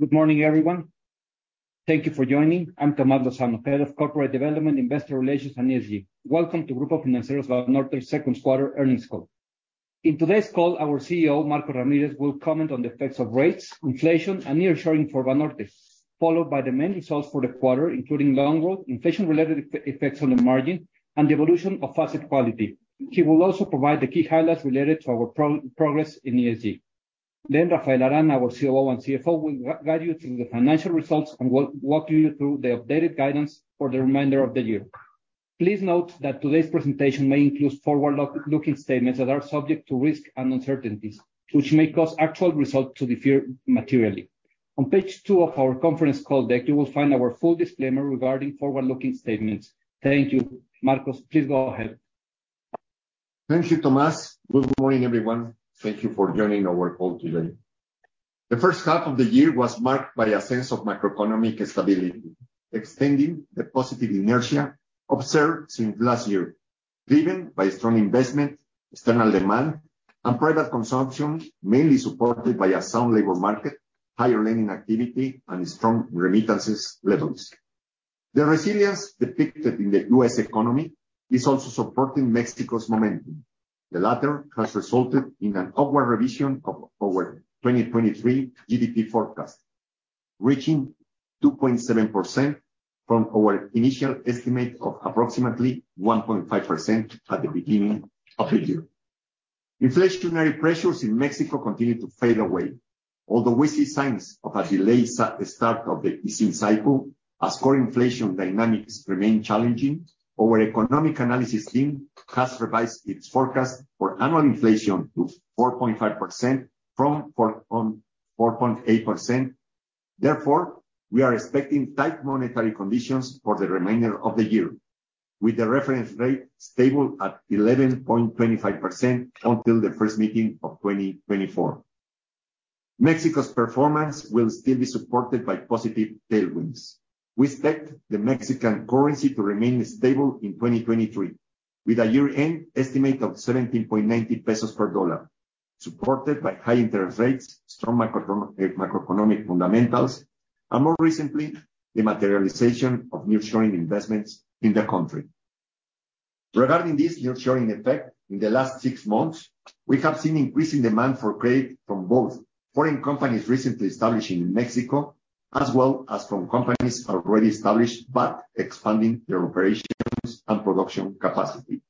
Good morning, everyone. Thank you for joining. I'm Tomás Lozano Derbez, Corporate Development, Investor Relations, and ESG. Welcome to Grupo Financiero Banorte's second quarter earnings call. In today's call, our CEO, Marcos Ramirez, will comment on the effects of rates, inflation, and nearshoring for Banorte, followed by the main results for the quarter, including loan growth, inflation-related effects on the margin, and the evolution of asset quality. He will also provide the key highlights related to our progress in ESG. Rafael Arana, our COO and CFO, will guide you through the financial results and will walk you through the updated guidance for the remainder of the year. Please note that today's presentation may include forward-looking statements that are subject to risks and uncertainties, which may cause actual results to differ materially. On page two of our conference call deck, you will find our full disclaimer regarding forward-looking statements. Thank you. Marcos, please go ahead. Thank you, Tomas. Good morning, everyone. Thank you for joining our call today. The first half of the year was marked by a sense of macroeconomic stability, extending the positive inertia observed since last year, driven by strong investment, external demand, and private consumption, mainly supported by a sound labor market, higher lending activity, and strong remittances levels. The resilience depicted in the U.S. economy is also supporting Mexico's momentum. The latter has resulted in an upward revision of our 2023 GDP forecast, reaching 2.7% from our initial estimate of approximately 1.5% at the beginning of the year. Inflationary pressures in Mexico continue to fade away. Although we see signs of a delayed start of the easing cycle, as core inflation dynamics remain challenging, our economic analysis team has revised its forecast for annual inflation to 4.5% from 4.8%. We are expecting tight monetary conditions for the remainder of the year, with the reference rate stable at 11.25% until the first meeting of 2024. Mexico's performance will still be supported by positive tailwinds. We expect the Mexican currency to remain stable in 2023, with a year-end estimate of 17.90 pesos per dollar, supported by high interest rates, strong macroeconomic fundamentals, and more recently, the materialization of nearshoring investments in the country. Regarding this nearshoring effect, in the last six months, we have seen increasing demand for credit from both foreign companies recently establishing in Mexico, as well as from companies already established but expanding their operations and production capacity.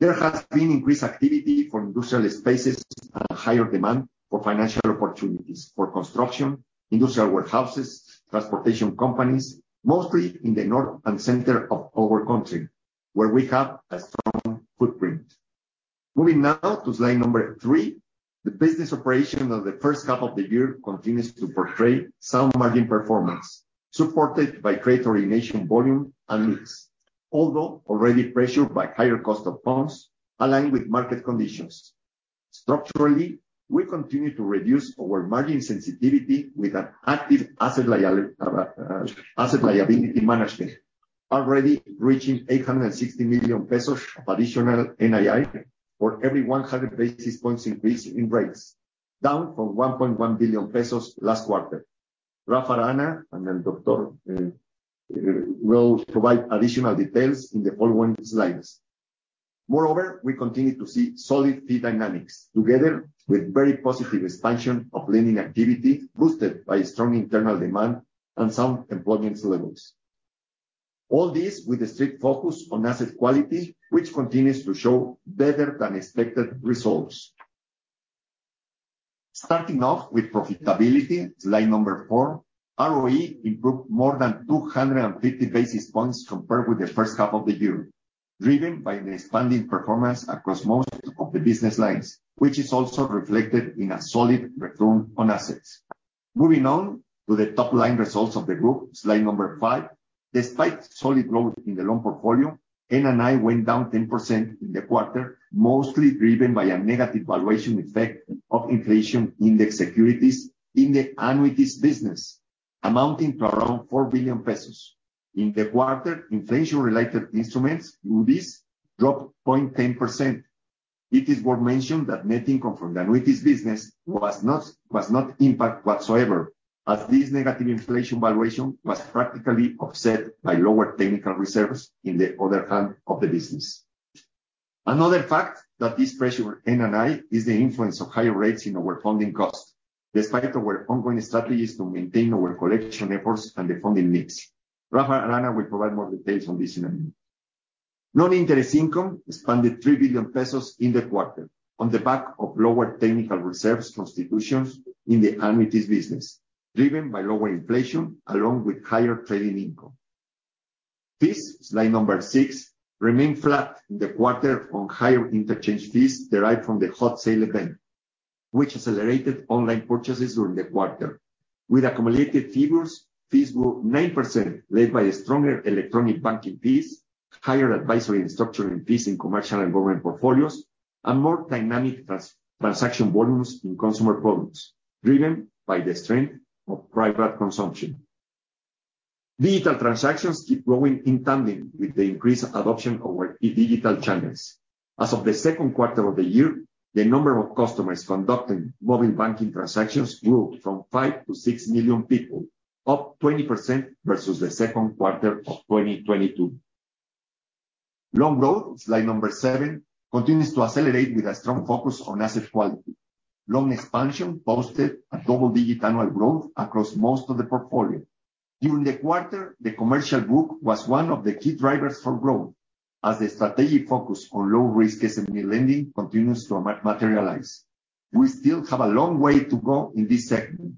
There has been increased activity for industrial spaces and a higher demand for financial opportunities for construction, industrial warehouses, transportation companies, mostly in the north and center of our country, where we have a strong footprint. Moving now to slide number three, the business operation of the first half of the year continues to portray sound margin performance, supported by credit origination volume and mix, although already pressured by higher cost of funds aligned with market conditions. Structurally, we continue to reduce our margin sensitivity with an active asset liability management, already reaching 860 million pesos additional NII for every 100 basis points increase in rates, down from 1.1 billion pesos last quarter. Rafael Arana, and then Dr. will provide additional details in the following slides. We continue to see solid fee dynamics, together with very positive expansion of lending activity, boosted by strong internal demand and sound employment levels. All this with a strict focus on asset quality, which continues to show better than expected results. Starting off with profitability, slide number 4, ROE improved more than 250 basis points compared with the first half of the year, driven by the expanding performance across most of the business lines, which is also reflected in a solid return on assets. Moving on to the top-line results of the group, slide number five. Despite solid growth in the loan portfolio, NNI went down 10% in the quarter, mostly driven by a negative valuation effect of inflation in the securities in the annuities business, amounting to around 4 billion pesos. In the quarter, inflation-related instruments, UDIs, dropped 0.10%. It is worth mentioning that net income from the annuities business was not impacted whatsoever, as this negative inflation valuation was practically offset by lower technical reserves in the other half of the business. Another fact that this pressured NNI is the influence of higher rates in our funding cost, despite our ongoing strategies to maintain our collection efforts and the funding mix. Rafael Arana will provide more details on this in a minute. Non-interest income expanded 3 billion pesos in the quarter on the back of lower technical reserves constitutions in the annuities business, driven by lower inflation along with higher trading income. Fees, slide number six, remained flat in the quarter on higher interchange fees derived from the Hot Sale event, which accelerated online purchases during the quarter. With accumulated fees were 9%, led by a stronger electronic banking fees, higher advisory and structuring fees in commercial and government portfolios, and more dynamic transaction volumes in consumer products, driven by the strength of private consumption. Digital transactions keep growing in tandem with the increased adoption of our digital channels. As of the second quarter of the year, the number of customers conducting mobile banking transactions grew from 5 to 6 million people, up 20% versus the second quarter of 2022. Loan growth, slide number seven, continues to accelerate with a strong focus on asset quality. Loan expansion posted a double-digit annual growth across most of the portfolio. During the quarter, the commercial book was one of the key drivers for growth, as the strategic focus on low-risk SME lending continues to materialize. We still have a long way to go in this segment,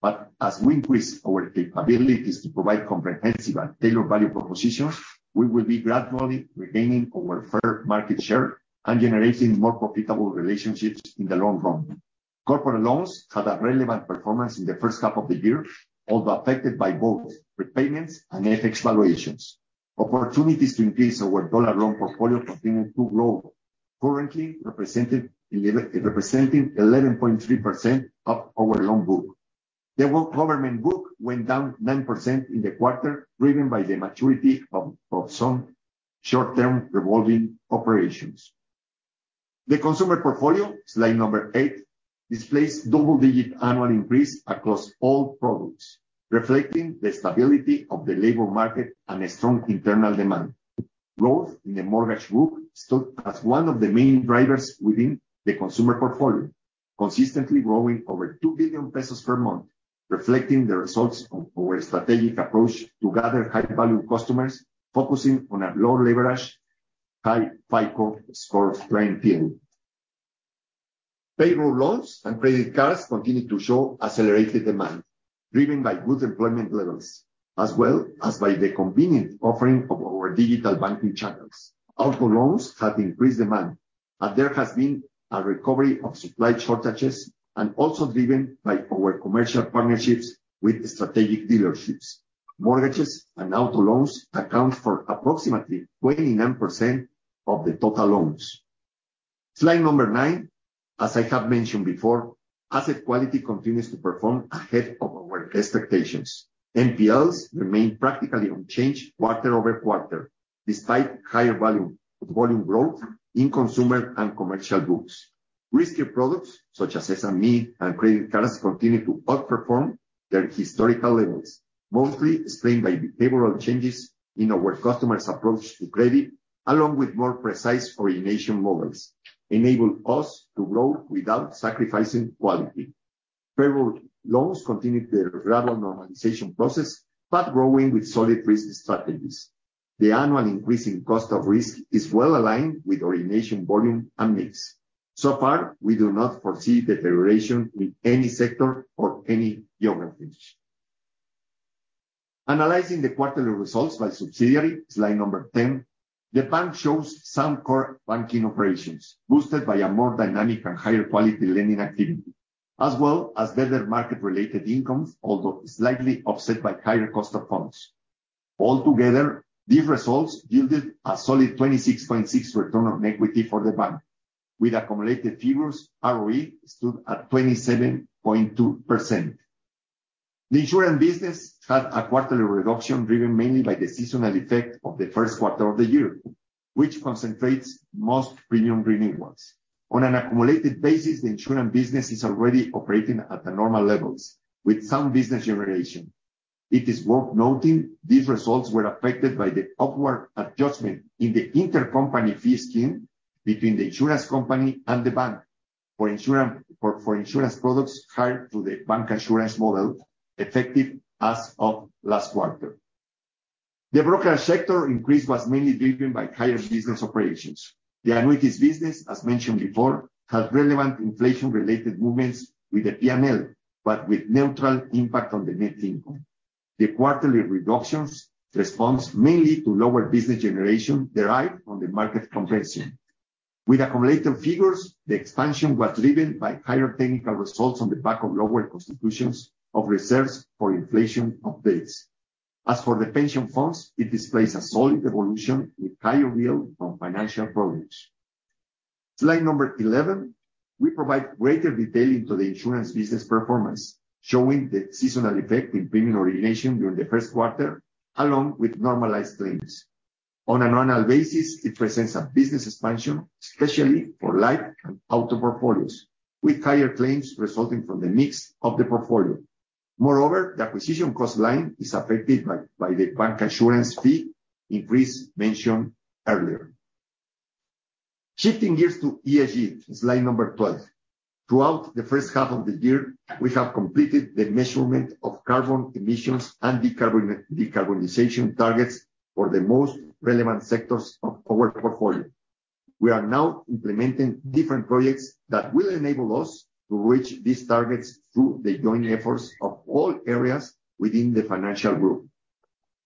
but as we increase our capabilities to provide comprehensive and tailored value propositions, we will be gradually regaining our fair market share and generating more profitable relationships in the long run. Corporate loans had a relevant performance in the first half of the year, although affected by both repayments and FX valuations. Opportunities to increase our dollar loan portfolio continued to grow, currently representing 11.3% of our loan book. The world government book went down 9% in the quarter, driven by the maturity of some short-term revolving operations. The consumer portfolio, slide number 8, displays double-digit annual increase across all products, reflecting the stability of the labor market and a strong internal demand. Growth in the mortgage book stood as one of the main drivers within the consumer portfolio, consistently growing over 2 billion pesos per month, reflecting the results of our strategic approach to gather high-value customers, focusing on a low leverage, high FICO score client pool. Payroll loans and credit cards continue to show accelerated demand, driven by good employment levels, as well as by the convenient offering of our digital banking channels. Auto loans have increased demand. There has been a recovery of supply shortages and also driven by our commercial partnerships with strategic dealerships. Mortgages and auto loans account for approximately 29% of the total loans. Slide number nine. As I have mentioned before, asset quality continues to perform ahead of our expectations. NPLs remain practically unchanged quarter-over-quarter, despite higher volume growth in consumer and commercial books. Riskier products, such as SME and credit cards, continue to outperform their historical levels, mostly explained by behavioral changes in our customers' approach to credit, along with more precise origination models, enable us to grow without sacrificing quality. Payroll loans continue their gradual normalization process, but growing with solid risk strategies. The annual increase in cost of risk is well aligned with origination volume and mix. So far, we do not foresee deterioration in any sector or any geographies. Analyzing the quarterly results by subsidiary, slide number 10, the bank shows some core banking operations, boosted by a more dynamic and higher quality lending activity, as well as better market-related incomes, although slightly offset by higher cost of funds. Altogether, these results yielded a solid 26.6 return on equity for the bank. With accumulated figures, ROE stood at 27.2%. The insurance business had a quarterly reduction, driven mainly by the seasonal effect of the first quarter of the year, which concentrates most premium renewals. On an accumulated basis, the insurance business is already operating at the normal levels, with some business generation. It is worth noting, these results were affected by the upward adjustment in the intercompany fee scheme between the insurance company and the bank for insurance products tied to the bank insurance model, effective as of last quarter. The broker sector increase was mainly driven by higher business operations. The annuities business, as mentioned before, had relevant inflation-related movements with the PNL, but with neutral impact on the net income. The quarterly reductions responds mainly to lower business generation derived from the market compression. With accumulated figures, the expansion was driven by higher technical results on the back of lower constitutions of reserves for inflation updates. As for the pension funds, it displays a solid evolution with higher yield from financial products. Slide number 11, we provide greater detail into the insurance business performance, showing the seasonal effect in premium origination during the first quarter, along with normalized claims. On an annual basis, it presents a business expansion, especially for life and auto portfolios, with higher claims resulting from the mix of the portfolio. The acquisition cost line is affected by the bank insurance fee increase mentioned earlier. Shifting gears to ESG, slide number 12. Throughout the first half of the year, we have completed the measurement of carbon emissions and decarbonization targets for the most relevant sectors of our portfolio. We are now implementing different projects that will enable us to reach these targets through the joint efforts of all areas within the financial group.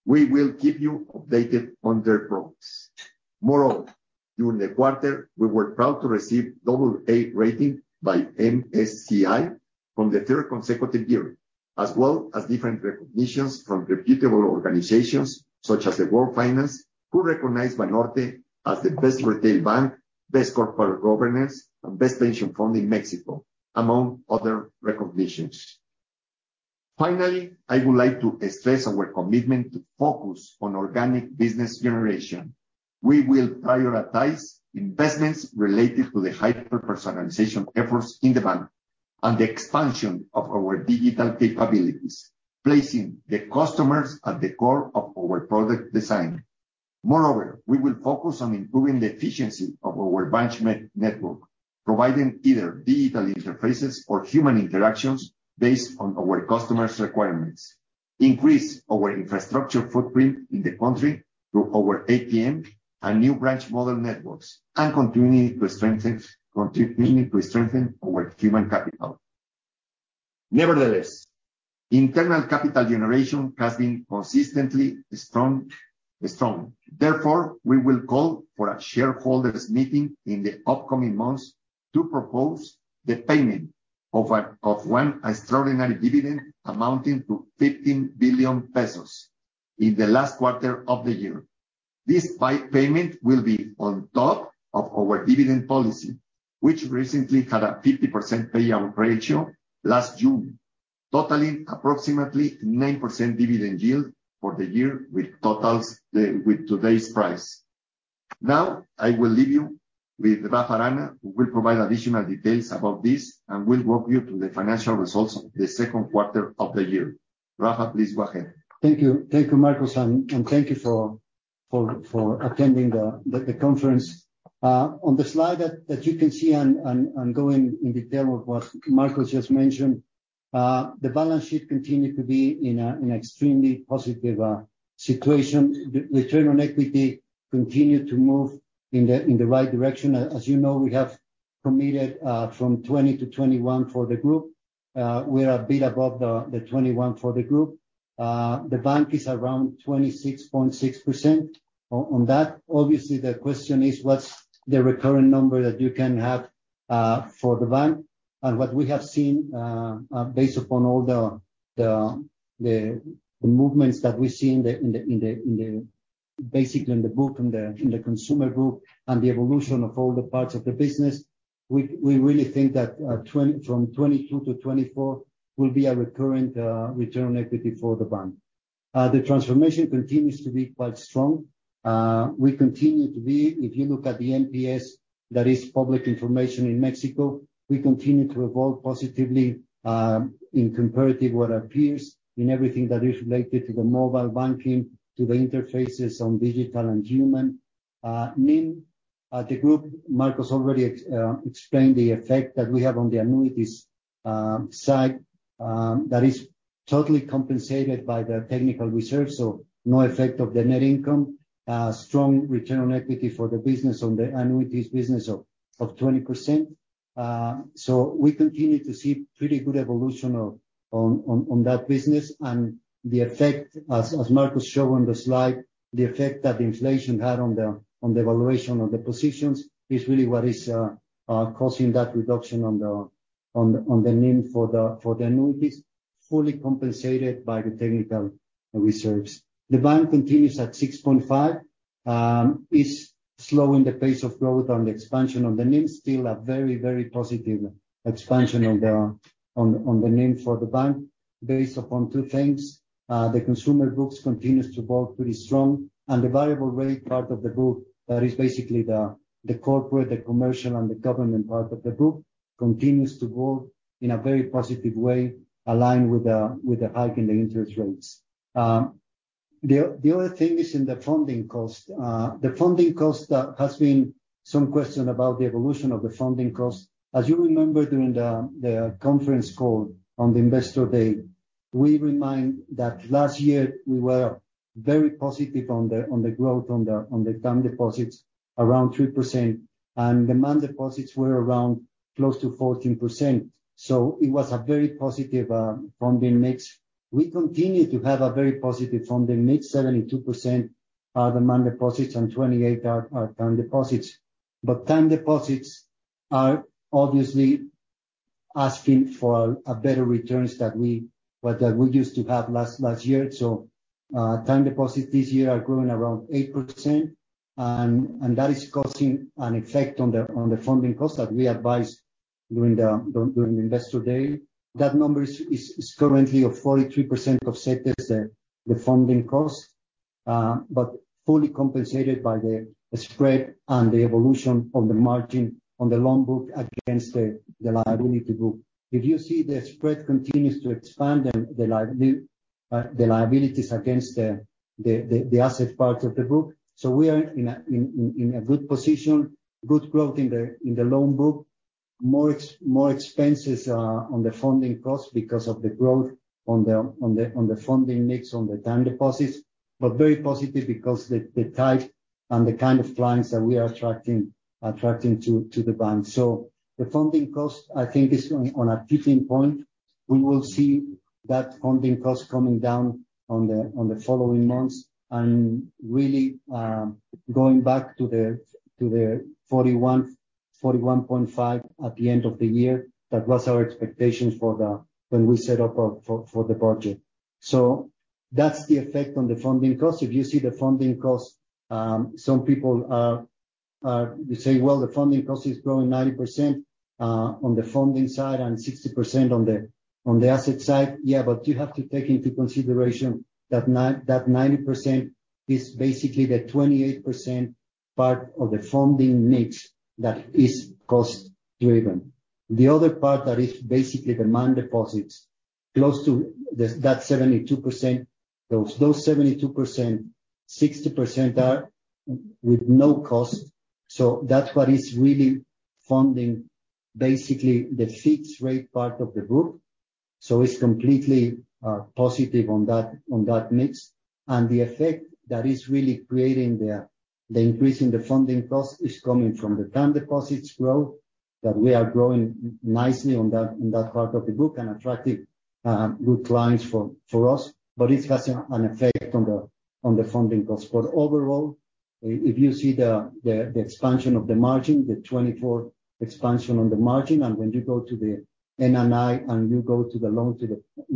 We will keep you updated on their progress. During the quarter, we were proud to receive AA rating by MSCI for the 3rd consecutive year, as well as different recognitions from reputable organizations such as the World Finance, who recognized Banorte as the best retail bank, best corporate governance, and best pension fund in Mexico, among other recognitions. I would like to stress our commitment to focus on organic business generation. We will prioritize investments related to the hyper-personalization efforts in the bank and the expansion of our digital capabilities, placing the customers at the core of our product design. Moreover, we will focus on improving the efficiency of our branch network, providing either digital interfaces or human interactions based on our customers' requirements, increase our infrastructure footprint in the country through our ATM and new branch model networks, and continuing to strengthen our human capital. Nevertheless, internal capital generation has been consistently strong. Therefore, we will call for a shareholders meeting in the upcoming months to propose the payment of one extraordinary dividend amounting to 15 billion pesos in the last quarter of the year. This payment will be on top of our dividend policy, which recently had a 50% payout ratio last June, totaling approximately 9% dividend yield for the year, with today's price. I will leave you with Rafa Arana, who will provide additional details about this, and will walk you through the financial results of the second quarter of the year. Rafa, please go ahead. Thank you. Thank you, Marcos, and thank you for attending the conference. On the slide that you can see on going in detail with what Marcos just mentioned, the balance sheet continued to be in an extremely positive situation. The return on equity continued to move in the right direction. As you know, we have permitted from 20 to 21 for the group. We are a bit above the 21 for the group. The bank is around 26.6%. On that, obviously the question is: What's the recurrent number that you can have for the bank? What we have seen, based upon all the movements that we see in the group, in the consumer group, and the evolution of all the parts of the business, we really think that from 2022 to 2024 will be a recurrent return on equity for the bank. The transformation continues to be quite strong. We continue to be, if you look at the NPS, that is public information in Mexico, we continue to evolve positively in comparative with our peers, in everything that is related to the mobile banking, to the interfaces on digital and human NIM. The group, Marcos already explained the effect that we have on the annuities side. That is totally compensated by the technical reserve, so no effect of the net income. Strong return on equity for the business on the annuities business of 20%. We continue to see pretty good evolution of on that business. The effect, as Marcos showed on the slide, the effect that inflation had on the evaluation of the positions is really what is causing that reduction on the NIM for the annuities, fully compensated by the technical reserves. The bank continues at 6.5. It's slowing the pace of growth on the expansion of the NIM, still a very positive expansion on the NIM for the bank, based upon two things. The consumer groups continues to grow pretty strong. The variable rate part of the group, that is basically the corporate, commercial, and government part of the group, continues to grow in a very positive way, aligned with the hike in the interest rates. The other thing is in the funding cost. The funding cost has been some question about the evolution of the funding cost. As you remember, during the conference call on the Investor Day, we remind that last year we were very positive on the growth, on the term deposits, around 3%, and the month deposits were around close to 14%. It was a very positive funding mix. We continue to have a very positive funding mix, 72% the month deposits, and 28 are term deposits. Term deposits are obviously asking for a better returns that we, what we used to have last year. Term deposits this year are growing around 8%, and that is causing an effect on the funding cost that we advised during the Investor Day. That number is currently of 43% of CETES, the funding cost, fully compensated by the spread and the evolution of the margin on the loan book against the liability book. If you see, the spread continues to expand and the liabilities against the asset part of the book. We are in a good position, good growth in the loan book. More expenses on the funding cost because of the growth on the funding mix, on the term deposits, but very positive because the type and the kind of clients that we are attracting to the bank. The funding cost, I think, is on a tipping point. We will see that funding cost coming down on the following months. Really going back to the 41.5% at the end of the year. That was our expectations for the, when we set up for the budget. That's the effect on the funding cost. If you see the funding cost, some people they say, "Well, the funding cost is growing 90% on the funding side and 60% on the, on the asset side." Yeah, but you have to take into consideration that 90% is basically the 28% part of the funding mix that is cost driven. The other part that is basically demand deposits, close to the, that 72%. Those 72%, 60% are with no cost, so that's what is really funding, basically, the fixed rate part of the book. It's completely positive on that, on that mix. The effect that is really creating the increase in the funding cost is coming from the term deposits growth, that we are growing nicely on that, in that part of the book, and attracting good clients for us. It's having an effect on the funding cost. Overall, if you see the expansion of the margin, the 24 expansion on the margin, and when you go to the NNI, and you go to the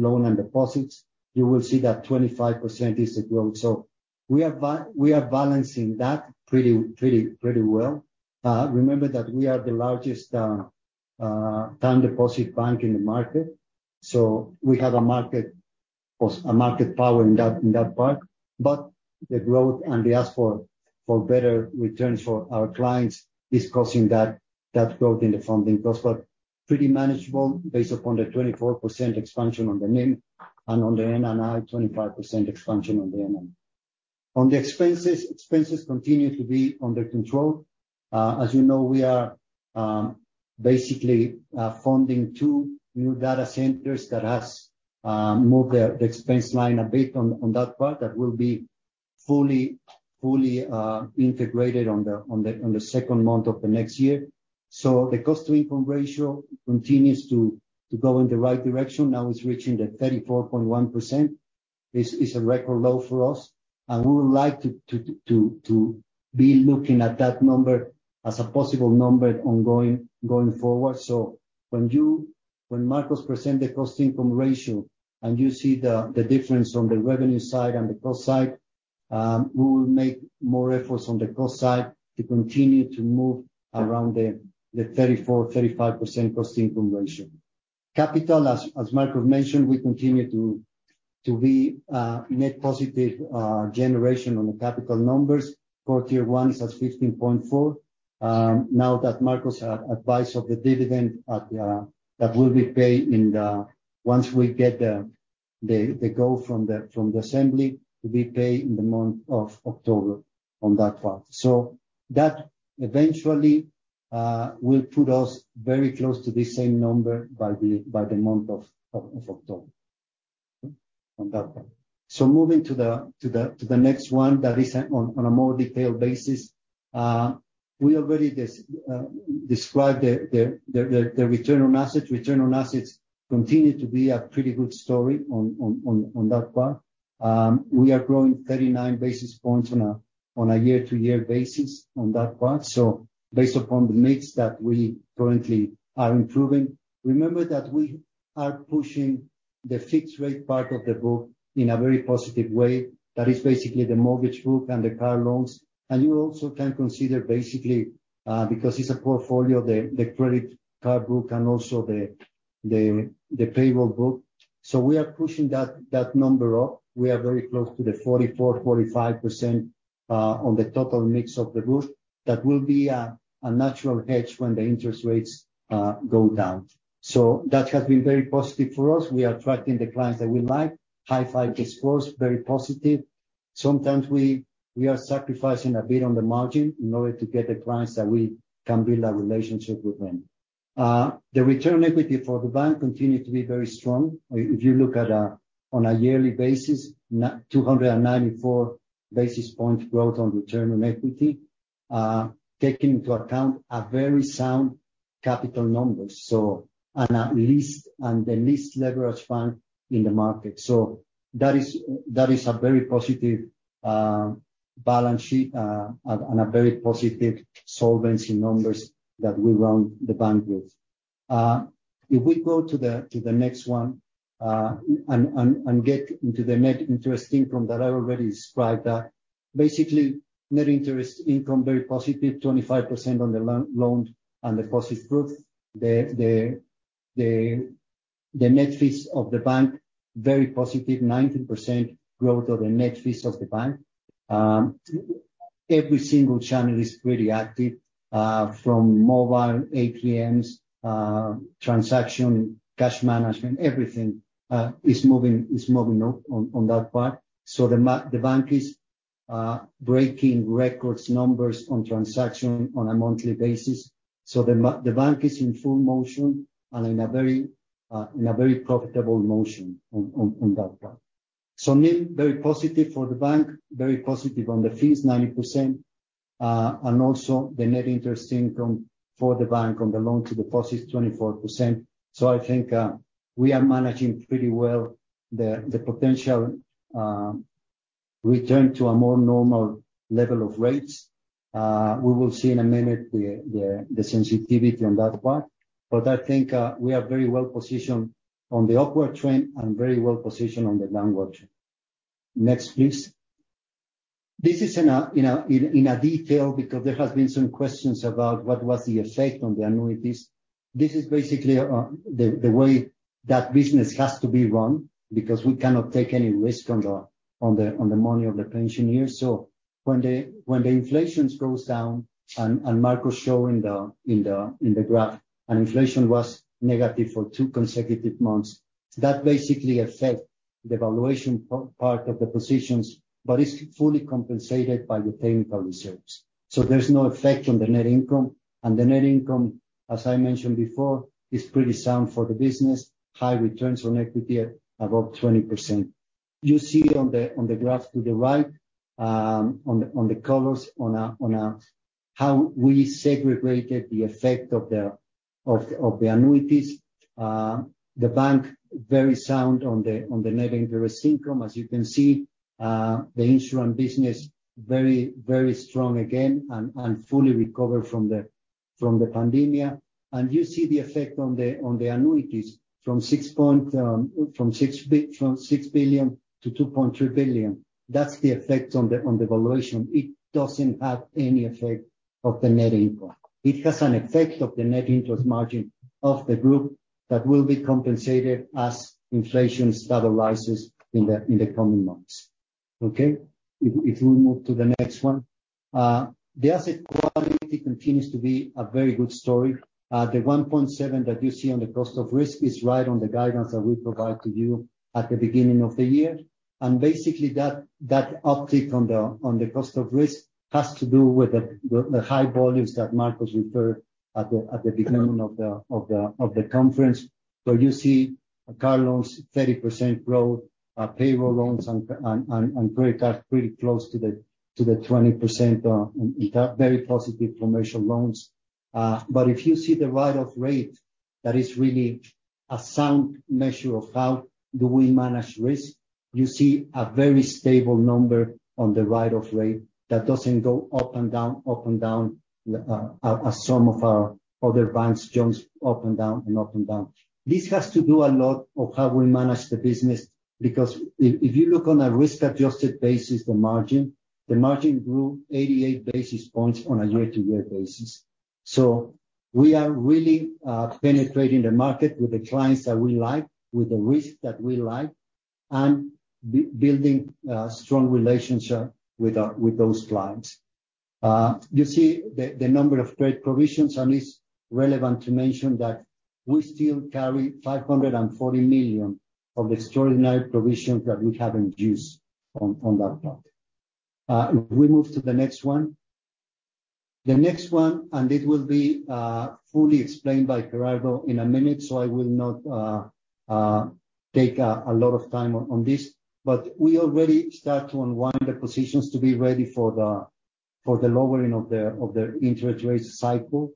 loan and deposits, you will see that 25% is the growth. We are balancing that pretty well. Remember that we are the largest term deposit bank in the market, so we have a market power in that part. The growth and the ask for better returns for our clients is causing that growth in the funding cost, but pretty manageable based upon the 24% expansion on the NIM, and on the NNI, 25% expansion on the NNI. On the expenses continue to be under control. As you know, we are basically funding two new data centers that has moved the expense line a bit on that part. That will be fully integrated on the second month of the next year. The cost-to-income ratio continues to go in the right direction. Now, it's reaching the 34.1%. This is a record low for us, and we would like to be looking at that number as a possible number ongoing going forward. When Marcos present the cost-income ratio, and you see the difference from the revenue side and the cost side, we will make more efforts on the cost side to continue to move around the 34-35% cost-income ratio. Capital, as Marcos mentioned, we continue to be net positive generation on the capital numbers. For Tier 1, it's at 15.4. Now that Marcos had advised of the dividend, that will be paid once we get the go from the assembly, will be paid in the month of October on that part. That eventually will put us very close to the same number by the month of October, on that one. Moving to the next one, that is on a more detailed basis. We already described the return on assets. Return on assets continue to be a pretty good story on that part. We are growing 39 basis points on a year-to-year basis on that part, so based upon the mix that we currently are improving. Remember that we are pushing the fixed rate part of the book in a very positive way. That is basically the mortgage book and the car loans. You also can consider basically, because it's a portfolio, the credit card book and also the payable book. We are pushing that number up. We are very close to the 44-45%, on the total mix of the book. That will be a natural hedge when the interest rates go down. That has been very positive for us. We are attracting the clients that we like. High-five disclose, very positive. Sometimes we are sacrificing a bit on the margin in order to get the clients that we can build a relationship with them. The return equity for the bank continue to be very strong. If you look on a yearly basis, 294 basis points growth on return on equity, take into account a very sound capital numbers, and the least leveraged bank in the market. That is a very positive balance sheet and a very positive solvency numbers that we run the bank with. If we go to the next one, get into the net interest income that I already described, that basically, net interest income, very positive, 25% on the loan and the cost is good. The net fees of the bank, very positive, 19% growth of the net fees of the bank. Every single channel is pretty active, from mobile, ATMs, transaction, cash management, everything, is moving on, on that part. The bank is breaking records, numbers on transaction on a monthly basis. The bank is in full motion and in a very, in a very profitable motion on, on that part. NIM, very positive for the bank, very positive on the fees, 90% and also the net interest income for the bank on the loan to deposit, 24%. I think, we are managing pretty well the potential return to a more normal level of rates. We will see in a minute the sensitivity on that part, but I think, we are very well positioned on the upward trend and very well positioned on the downward trend. Next, please. This is in a detail, because there has been some questions about what was the effect on the annuities. This is basically the way that business has to be run, because we cannot take any risk on the money of the pensioners. When the inflation goes down, and Marcos show in the graph, and inflation was negative for two consecutive months, that basically affect the valuation part of the positions, but it's fully compensated by the technical reserves. There's no effect on the net income. The net income, as I mentioned before, is pretty sound for the business. High returns on equity, above 20%. You see on the graph to the right, on the colors, how we segregated the effect of the annuities. The bank, very sound on the net interest income, as you can see. The insurance business, very strong again and fully recovered from the pandemia. You see the effect on the, on the annuities from 6 billion to 2.3 billion. That's the effect on the, on the valuation. It doesn't have any effect of the net income. It has an effect of the net interest margin of the group that will be compensated as inflation stabilizes in the, in the coming months. Okay? If we move to the next one. The asset quality continues to be a very good story. The 1.7% that you see on the cost of risk is right on the guidance that we provided to you at the beginning of the year. Basically, that uptick on the cost of risk has to do with the high volumes that Marcos referred at the beginning of the conference. You see car loans, 30% growth, payroll loans and credit cards pretty close to the 20%, and it are very positive for commercial loans. If you see the write-off rate, that is really a sound measure of how do we manage risk. You see a very stable number on the write-off rate that doesn't go up and down, as some of our other banks jumps up and down. This has to do a lot of how we manage the business, because if you look on a risk-adjusted basis, the margin grew 88 basis points on a year-to-year basis. We are really penetrating the market with the clients that we like, with the risk that we like, and building a strong relationship with those clients. You see the number of trade provisions, and it's relevant to mention that we still carry 540 million of extraordinary provisions that we haven't used on that part. We move to the next one. The next one. It will be fully explained by Gerardo in a minute, so I will not take a lot of time on this. We already start to unwind the positions to be ready for the lowering of the interest rate cycle.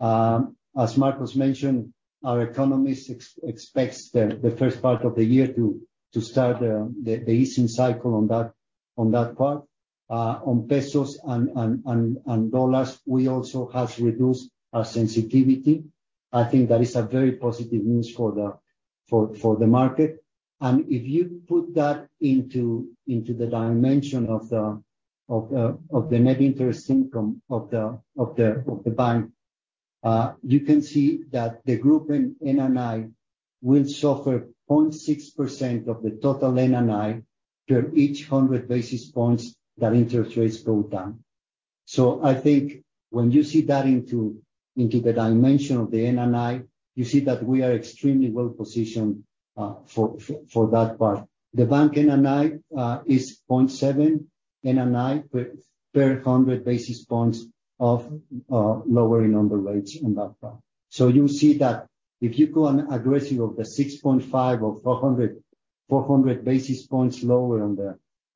As Marcos mentioned, our economist expects the first part of the year to start the easing cycle on that part. On pesos and dollars, we also have reduced our sensitivity. I think that is a very positive news for the market. If you put that into the dimension of the net interest income of the bank, you can see that the group in NNI will suffer 0.6% of the total NNI per each 100 basis points that interest rates go down. I think when you see that into the dimension of the NNI, you see that we are extremely well positioned for that part. The bank NNI is 0.7 NNI per 100 basis points of lowering on the rates on that part. You see that if you go on aggressive of the 6.5 or 400 basis points lower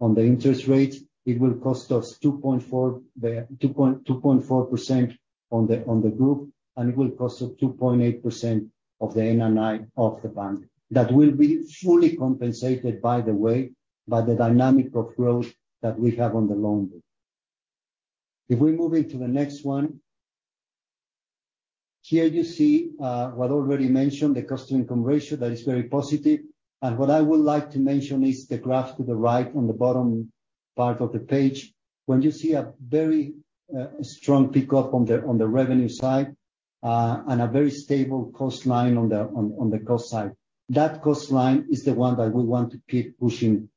on the interest rate, it will cost us 2.4% on the group, and it will cost us 2.8% of the NNI of the bank. That will be fully compensated, by the way, by the dynamic of growth that we have on the loan book. If we move into the next one, here you see what already mentioned, the cost-to-income ratio. That is very positive. What I would like to mention is the graph to the right, on the bottom part of the page. When you see a very strong pickup on the revenue side, and a very stable cost line on the cost side. That cost line is the one that we want to keep pushing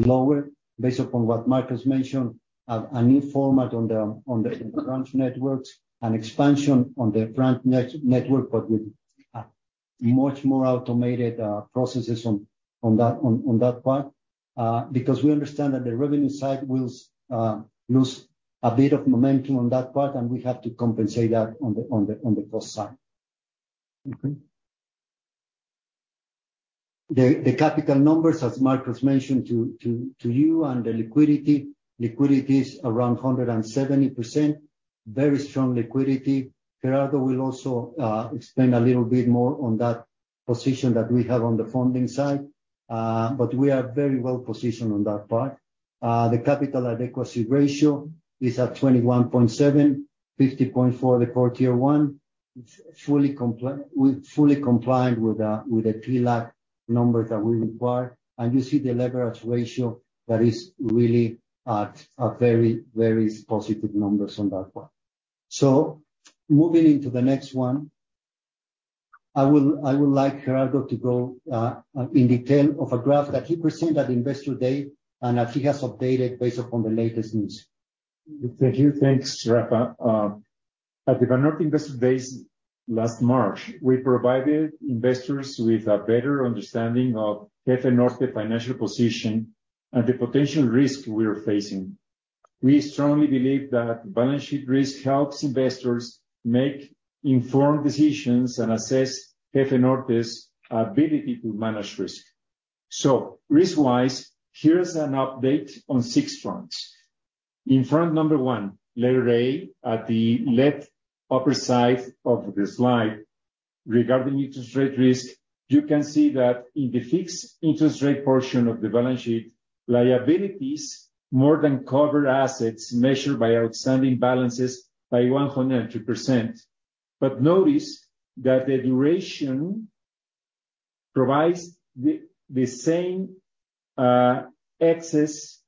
lower, based upon what Marcos mentioned a new format on the branch networks, an expansion on the branch network, but with a much more automated processes on that part. Because we understand that the revenue side will lose a bit of momentum on that part, and we have to compensate that on the cost side. Okay. The capital numbers, as Marcos mentioned to you, and the liquidity. Liquidity is around 170%. Very strong liquidity. Gerardo will also explain a little bit more on that position that we have on the funding side, but we are very well positioned on that part. The capital adequacy ratio is at 21.7%, 50.4% the core Tier 1. It's we're fully compliant with the TLAC number that we require, and you see the leverage ratio that is really at a very positive numbers on that one. Moving into the next one, I would like Gerardo to go in detail of a graph that he presented at Investor Day and that he has updated based upon the latest news. Thank you. Thanks, Rafa. At the Banorte Investor Days last March, we provided investors with a better understanding of Banorte financial position and the potential risk we are facing. We strongly believe that balance sheet risk helps investors make informed decisions and assess Banorte's ability to manage risk. Risk-wise, here's an update on six fronts. In front number 1, letter A, at the left upper side of the slide, regarding interest rate risk, you can see that in the fixed interest rate portion of the balance sheet, liabilities more than cover assets measured by outstanding balances by 102%. Notice that the duration provides the same excess,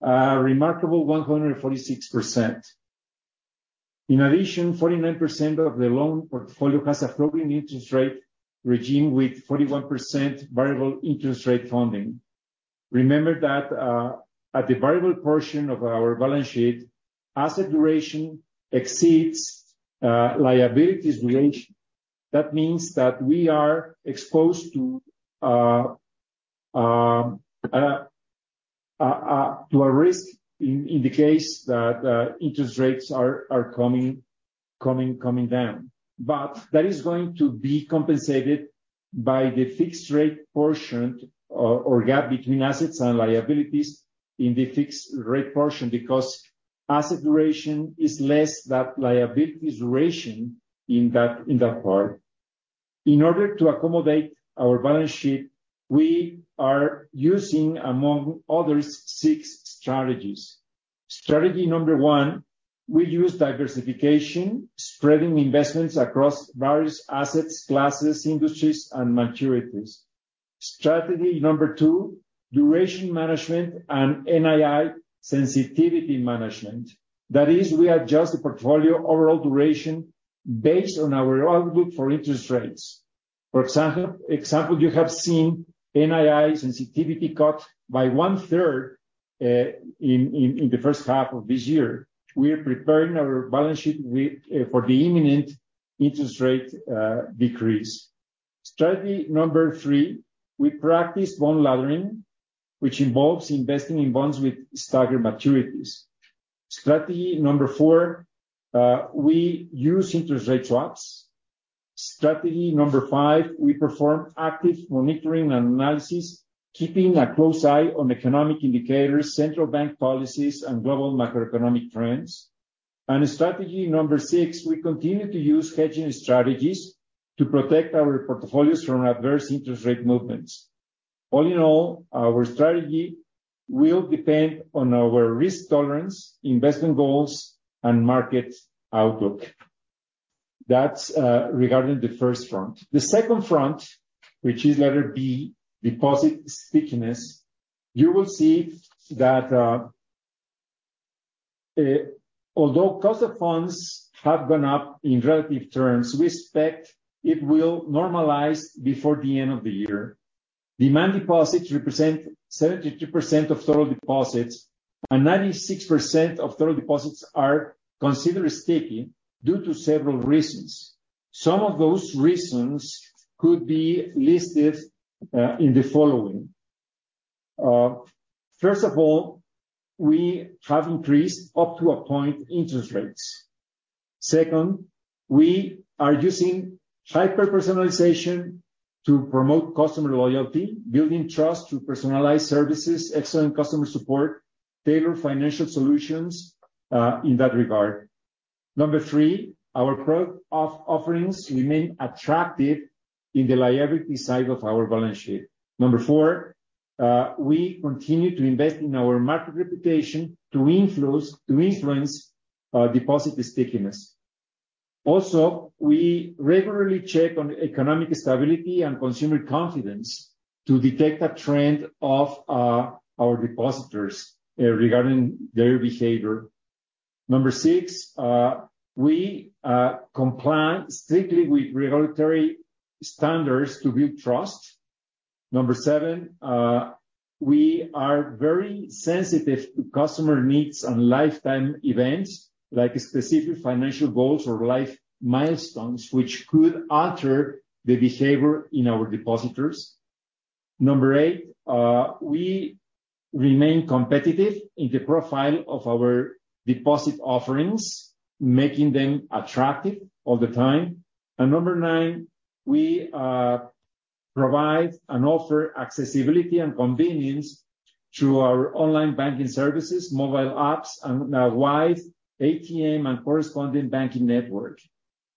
remarkable 146%. In addition, 49% of the loan portfolio has a floating interest rate regime, with 41% variable interest rate funding. Remember that, at the variable portion of our balance sheet, asset duration exceeds liabilities duration. That means that we are exposed to a risk in the case that interest rates are coming down. That is going to be compensated by the fixed rate portion or gap between assets and liabilities in the fixed rate portion, because asset duration is less than liabilities duration in that part. In order to accommodate our balance sheet, we are using, among others, six strategies. Strategy number one, we use diversification, spreading investments across various assets, classes, industries, and maturities. Strategy number two, duration management and NII sensitivity management. That is, we adjust the portfolio overall duration based on our outlook for interest rates. For example, you have seen NII sensitivity cut by one third in the first half of this year. We are preparing our balance sheet for the imminent interest rate decrease. Strategy number three, we practice bond laddering, which involves investing in bonds with staggered maturities. Strategy number four, we use interest rate swaps. Strategy number five, we perform active monitoring and analysis, keeping a close eye on economic indicators, central bank policies, and global macroeconomic trends. Strategy number six, we continue to use hedging strategies to protect our portfolios from adverse interest rate movements. All in all, our strategy will depend on our risk tolerance, investment goals, and market outlook. That's regarding the first front. The second front, which is letter B, deposit stickiness. You will see that, although cost of funds have gone up in relative terms, we expect it will normalize before the end of the year. Demand deposits represent 72% of total deposits, and 96% of total deposits are considered sticky due to several reasons. Some of those reasons could be listed in the following. First of all, we have increased, up to a point, interest rates. Second, we are using hyper-personalization to promote customer loyalty, building trust through personalized services, excellent customer support, tailored financial solutions in that regard. Number three our offerings remain attractive in the liability side of our balance sheet. Number four, we continue to invest in our market reputation to influence deposit stickiness. Also, we regularly check on economic stability and consumer confidence to detect a trend of our depositors regarding their behavior. Number six, we comply strictly with regulatory standards to build trust. Number seven, we are very sensitive to customer needs and lifetime events, like specific financial goals or life milestones, which could alter the behavior in our depositors. Number eight, we remain competitive in the profile of our deposit offerings, making them attractive all the time. Number nine, we provide and offer accessibility and convenience through our online banking services, mobile apps, and a wide ATM and corresponding banking network.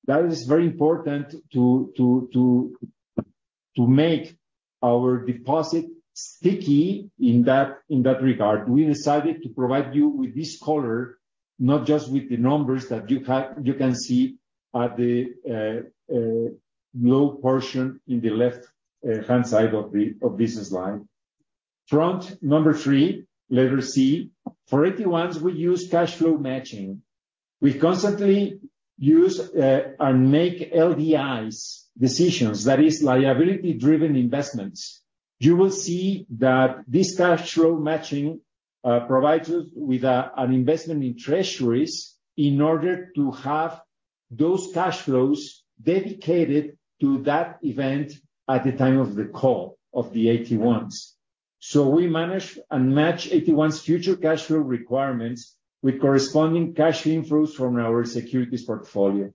That is very important to make our deposit sticky in that regard. We decided to provide you with this color, not just with the numbers that you can see at the low portion in the left-hand side of business line. Front number three, letter C. For AT1s, we use cash flow matching. We constantly use and make LDIs decisions, that is liability-driven investments. You will see that this cash flow matching provides us with an investment in treasuries in order to have those cash flows dedicated to that event at the time of the call of the AT1s. We manage and match AT1's future cash flow requirements with corresponding cash inflows from our securities portfolio.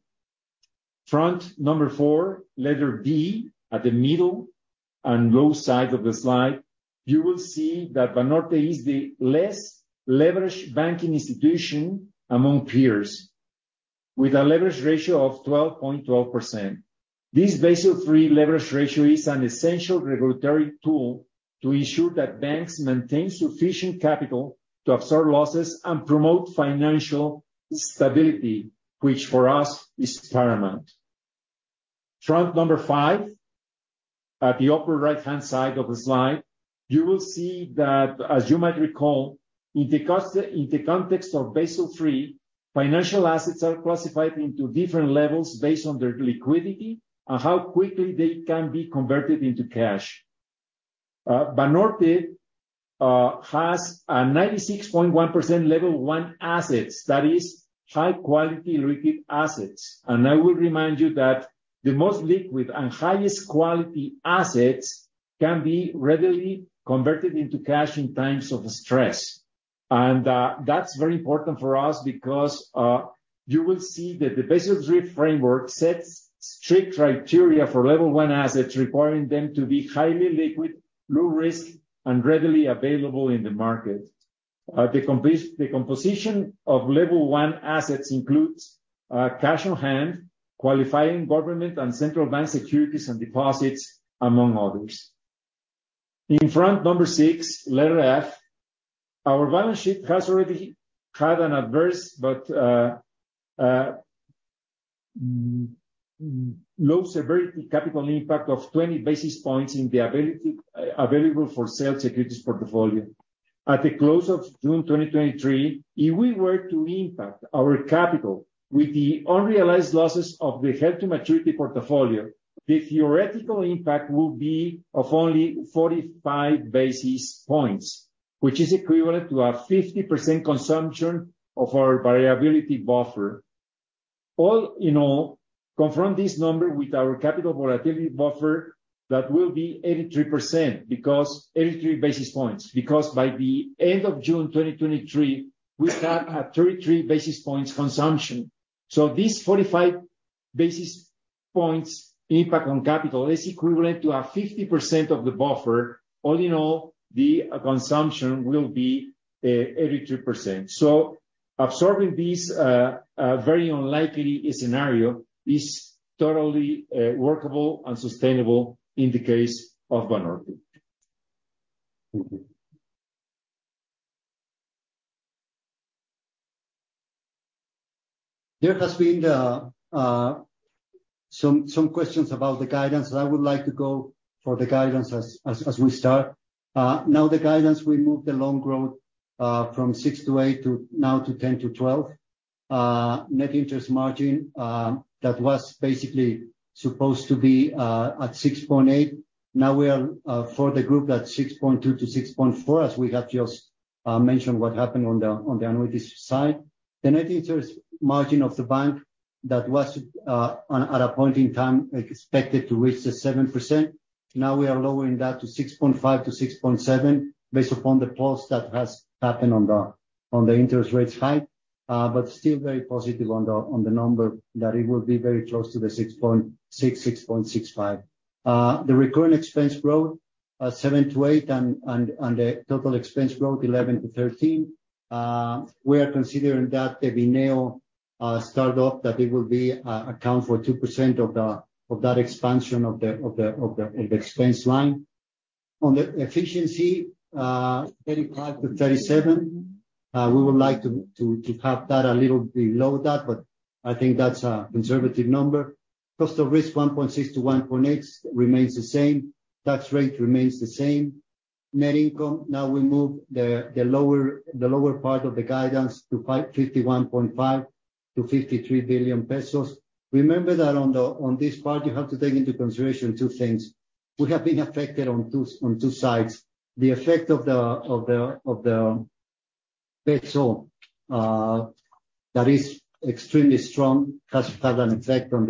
Front number four, letter D, at the middle and low side of the slide, you will see that Banorte is the less leveraged banking institution among peers, with a leverage ratio of 12.12%. This Basel III leverage ratio is an essential regulatory tool to ensure that banks maintain sufficient capital to absorb losses and promote financial stability, which for us is paramount. Front 5, at the upper right-hand side of the slide, you will see that, as you might recall, in the context of Basel III, financial assets are classified into different levels based on their liquidity and how quickly they can be converted into cash. Banorte has a 96.1% Level 1 assets, that is high quality liquid assets. I will remind you that the most liquid and highest quality assets can be readily converted into cash in times of stress. That's very important for us because you will see that the Basel III framework sets strict criteria for level one assets, requiring them to be highly liquid, low risk, and readily available in the market. The composition of level one assets includes cash on hand, qualifying government and central bank securities and deposits, among others. In front number six, letter F, our balance sheet has already had an adverse, but low severity capital impact of 20 basis points in the available-for-sale securities portfolio. At the close of June 2023, if we were to impact our capital with the unrealized losses of the held-to-maturity portfolio, the theoretical impact would be of only 45 basis points, which is equivalent to a 50% consumption of our variability buffer. Compare this number with our capital volatility buffer, that will be 83%, because 83 basis points, because by the end of June 2023, we had a 33 basis points consumption. This 45 basis points impact on capital is equivalent to a 50% of the buffer. The consumption will be 83%. Absorbing this very unlikely scenario is totally workable and sustainable in the case of Banorte. Thank you. There has been some questions about the guidance, I would like to go for the guidance as we start. Now, the guidance, we moved the loan growth from 6%-8% to now to 10%-12%. Net interest margin, that was basically supposed to be at 6.8%. Now we are, for the group, at 6.2%-6.4%, as we have just mentioned what happened on the annuities side. The net interest margin of the bank that was on, at a point in time, expected to reach the 7%. Now we are lowering that to 6.5%-6.7%, based upon the pulse that has happened on the interest rates hike, but still very positive on the number, that it will be very close to the 6.6%, 6.65%. The recurring expense growth, 7%-8%, and the total expense growth, 11%-13%, we are considering that the Bineo start up, that it will be account for 2% of that expansion of the expense line. On the efficiency, 35%-37%, we would like to have that a little below that, but I think that's a conservative number. Cost of risk, 1.6%-1.8%, remains the same. Tax rate remains the same. Net income, now we move the lower part of the guidance to 51.5 billion-53 billion pesos. Remember that on this part, you have to take into consideration two things. We have been affected on two sides. The effect of the peso that is extremely strong, has had an effect on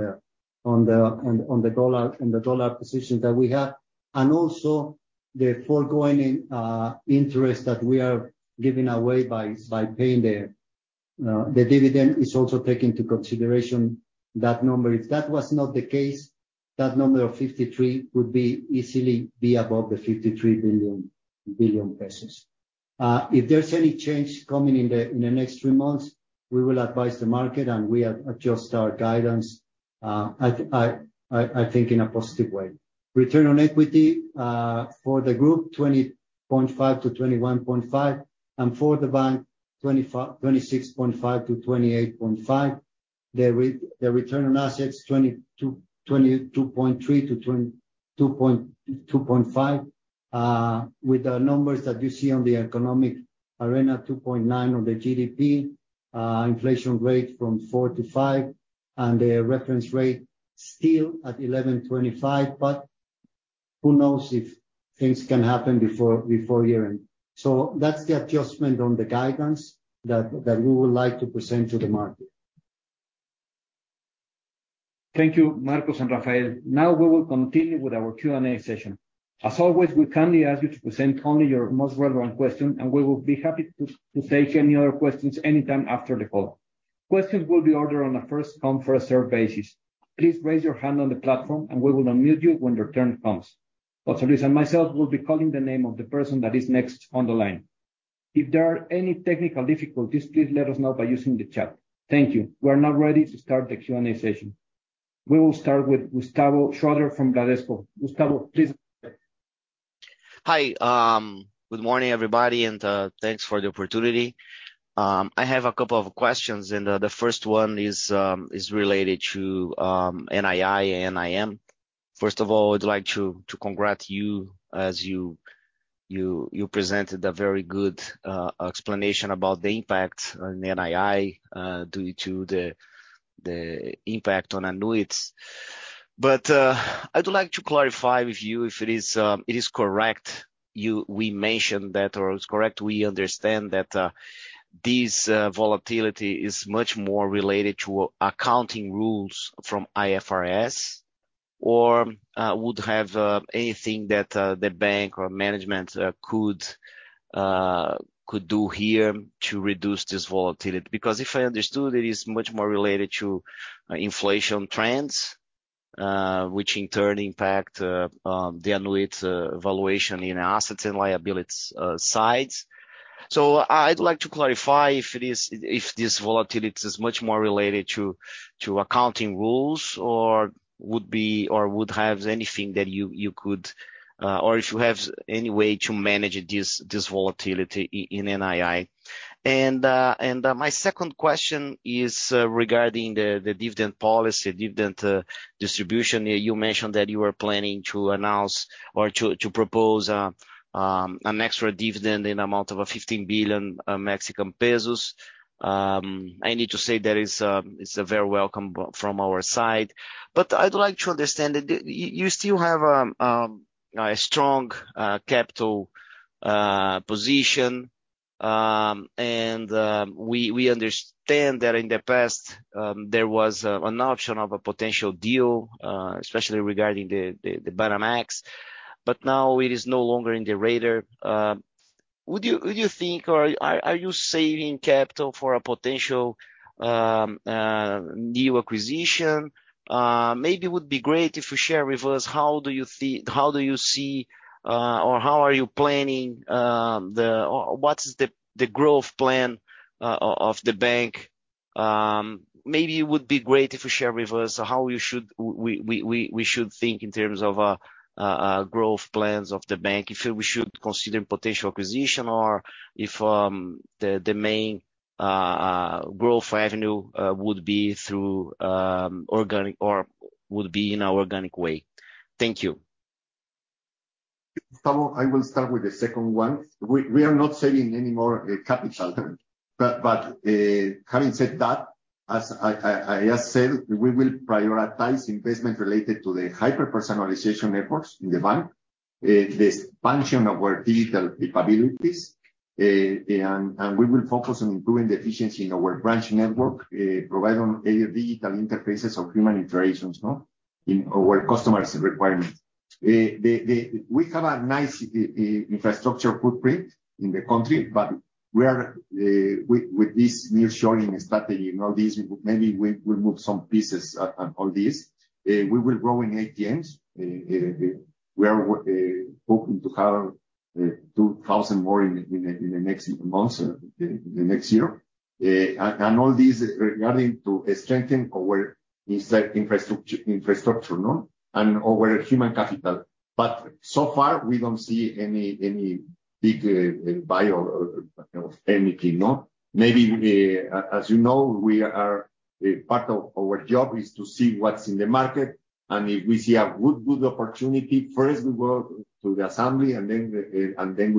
the dollar position that we have, and also the foregoing interest that we are giving away by paying the the dividend is also take into consideration that number. If that was not the case, that number of 53 would be easily be above the 53 billion. If there's any change coming in the next 3 months, we will advise the market, and we have adjust our guidance, I think in a positive way. Return on equity for the group, 20.5%-21.5%, and for the bank, 26.5%-28.5%. The return on assets, 20%-22.5%. With the numbers that you see on the economic arena, 2.9% on the GDP, inflation rate from 4%-5%, and the reference rate still at 11.25%, but who knows if things can happen before year-end. That's the adjustment on the guidance that we would like to present to the market. Thank you, Marcos and Rafael. Now we will continue with our Q&A session. As always, we kindly ask you to present only your most relevant question, and we will be happy to take any other questions anytime after the call. Questions will be ordered on a first-come, first-served basis. Please raise your hand on the platform, and we will unmute you when your turn comes. Also, myself, will be calling the name of the person that is next on the line. If there are any technical difficulties, please let us know by using the chat. Thank you. We are now ready to start the Q&A session. We will start with Gustavo Schroden from Bradesco. Gustavo, please. Hi. Good morning, everybody, thanks for the opportunity. I have a couple of questions, the first one is related to NII and NIM. First of all, I'd like to congratulate you as you presented a very good explanation about the impact on NII due to the impact on annuities. I'd like to clarify with you if it is correct, we mentioned that, or it's correct, we understand that this volatility is much more related to accounting rules from IFRS, or would have anything that the bank or management could do here to reduce this volatility? If I understood, it is much more related to inflation trends, which in turn impact the annuities valuation in assets and liabilities sides. I'd like to clarify if this volatility is much more related to accounting rules, or would be, or would have anything that you could. Or if you have any way to manage this volatility in NII. My second question is regarding the dividend policy, dividend distribution. You mentioned that you are planning to announce or to propose an extra dividend in amount of a 15 billion Mexican pesos. I need to say that is a very welcome from our side, I'd like to understand it. You still have a strong capital position. We understand that in the past, there was an option of a potential deal, especially regarding the Banamex, but now it is no longer in the radar. Would you think, or are you saving capital for a potential new acquisition? Maybe it would be great if you share with us how do you see, or how are you planning, or what is the growth plan of the bank? Maybe it would be great if you share with us how we should think in terms of growth plans of the bank. If we should consider potential acquisition or if, the main, growth avenue, would be through, organic, or would be in an organic way. Thank you. I will start with the second one. We are not saving any more capital. Having said that, as I just said, we will prioritize investment related to the hyper-personalization networks in the bank, the expansion of our digital capabilities, and we will focus on improving the efficiency in our branch network, providing a digital interfaces of human interactions, no, in our customers' requirements. We have a nice infrastructure footprint in the country, but we are with this new joining strategy, you know, these maybe we move some pieces on this. We will grow in ATMs. We are hoping to have 2,000 more in the next months, in the next year. And all these regarding to strengthen our inside infrastructure, no, and our human capital. So far, we don't see any big buy or anything, no? Maybe, as you know, we are part of our job is to see what's in the market, and if we see a good opportunity, first we go to the assembly, and then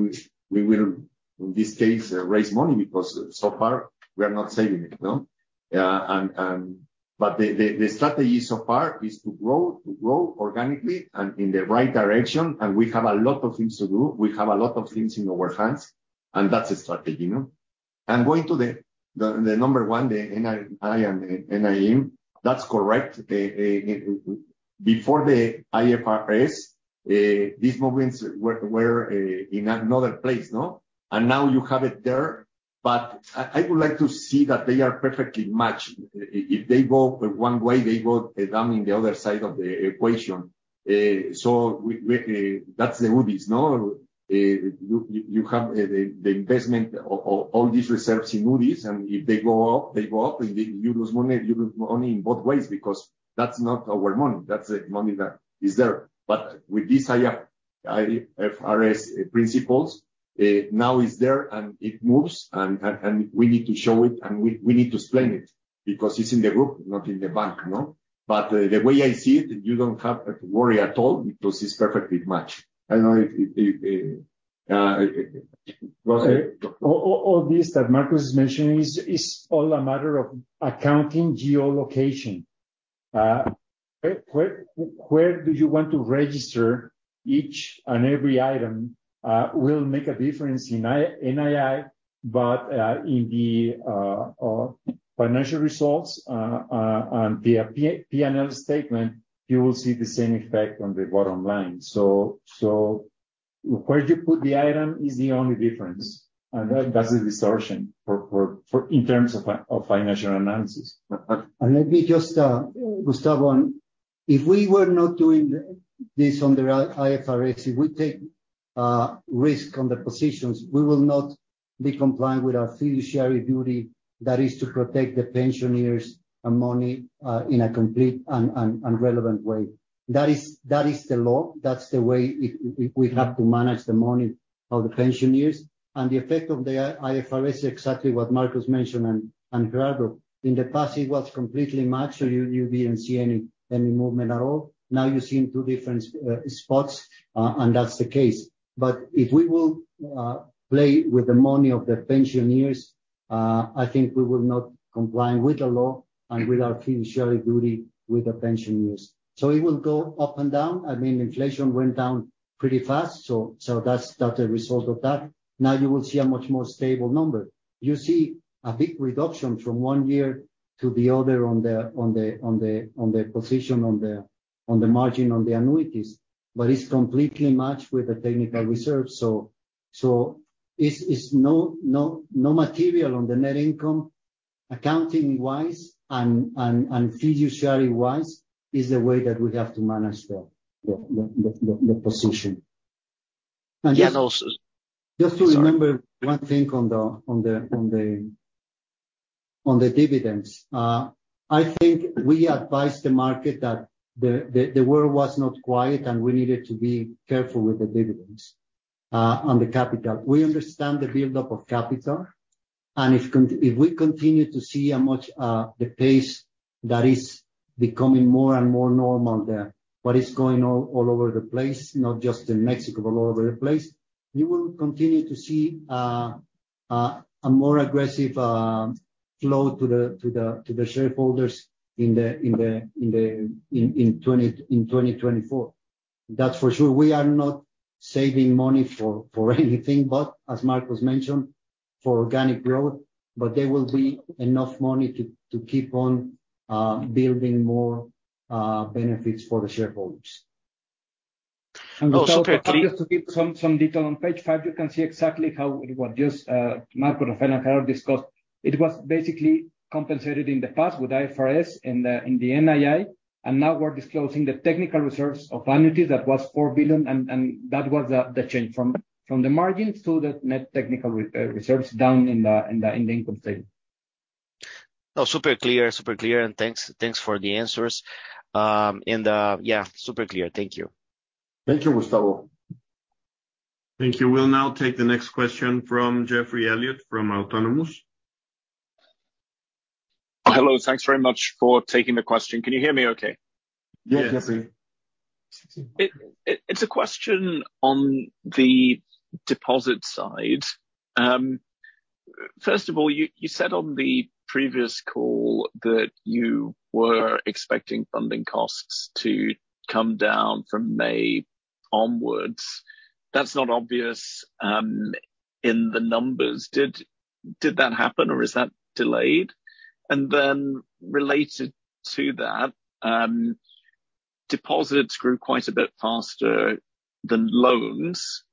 we will, in this case, raise money, because so far, we are not saving it, you know? And the strategy so far is to grow organically and in the right direction, and we have a lot of things to do. We have a lot of things in our hands, and that's the strategy, you know? Going to the number one, the NII and NIM, that's correct. Before the IFRS, these movements were in another place, no? Now you have it there. I would like to see that they are perfectly matched. If they go one way, they go down in the other side of the equation. That's the annuities, no? You have the investment all these reserves in annuities, and if they go up, they go up, and you lose money. You lose money in both ways because that's not our money. That's the money that is there. With this IFRS principles, now it's there, and it moves, and we need to show it, and we need to explain it because it's in the group, not in the bank, no? The way I see it, you don't have to worry at all because it's perfectly matched. I know if. All this that Marcos is mentioning is all a matter of accounting geolocation. Where do you want to register each and every item will make a difference. In the financial results and the P&L statement, you will see the same effect on the bottom line. Where you put the item is the only difference, and that's a distortion for in terms of financial analysis. Let me just, Gustavo, if we were not doing this on the IFRS, if we take risk on the positions, we will not be compliant with our fiduciary duty. That is to protect the pensioners and money in a complete and relevant way. That is the law. That's the way we have to manage the money of the pensioners. The effect of the IFRS is exactly what Marcos mentioned and Gerardo. In the past, it was completely matched, so you didn't see any movement at all. Now you see in two different spots and that's the case. If we will play with the money of the pensioners, I think we will not comply with the law and with our fiduciary duty with the pensioners. It will go up and down. I mean, inflation went down pretty fast, so that's not a result of that. You will see a much more stable number. You see a big reduction from one year to the other on the position, on the margin, on the annuities, but it's completely matched with the technical reserve. It's no material on the net income, accounting-wise and fiduciary-wise, is the way that we have to manage the position. Yeah, and also. Just to remember one thing on the dividends. I think we advised the market that the world was not quiet, and we needed to be careful with the dividends on the capital. We understand the buildup of capital, and if we continue to see how much the pace that is becoming more and more normal there, what is going on all over the place, not just in Mexico, but all over the place, you will continue to see a more aggressive flow to the shareholders in 2024. That's for sure. We are not saving money for anything, but as Marcos mentioned, for organic growth. There will be enough money to keep on building more benefits for the shareholders. Just to give some detail on page 5, you can see exactly how it was just Marco, Rafael, and Gerardo discussed. It was basically compensated in the past with IFRS in the NII, and now we're disclosing the technical reserves of annuities. That was 4 billion, and that was the change from the margins to the net technical reserves down in the income statement. Oh, super clear, and thanks for the answers. Yeah, super clear. Thank you. Thank you, Gustavo. Thank you. We'll now take the next question from Geoffrey Elliott, from Autonomous. Hello. Thanks very much for taking the question. Can you hear me okay? Yeah, Geoffrey. It's a question on the deposit side. First of all, you said on the previous call that you were expecting funding costs to come down from May onwards. That's not obvious in the numbers. Did that happen, or is that delayed? Related to that, deposits grew quite a bit faster than loans.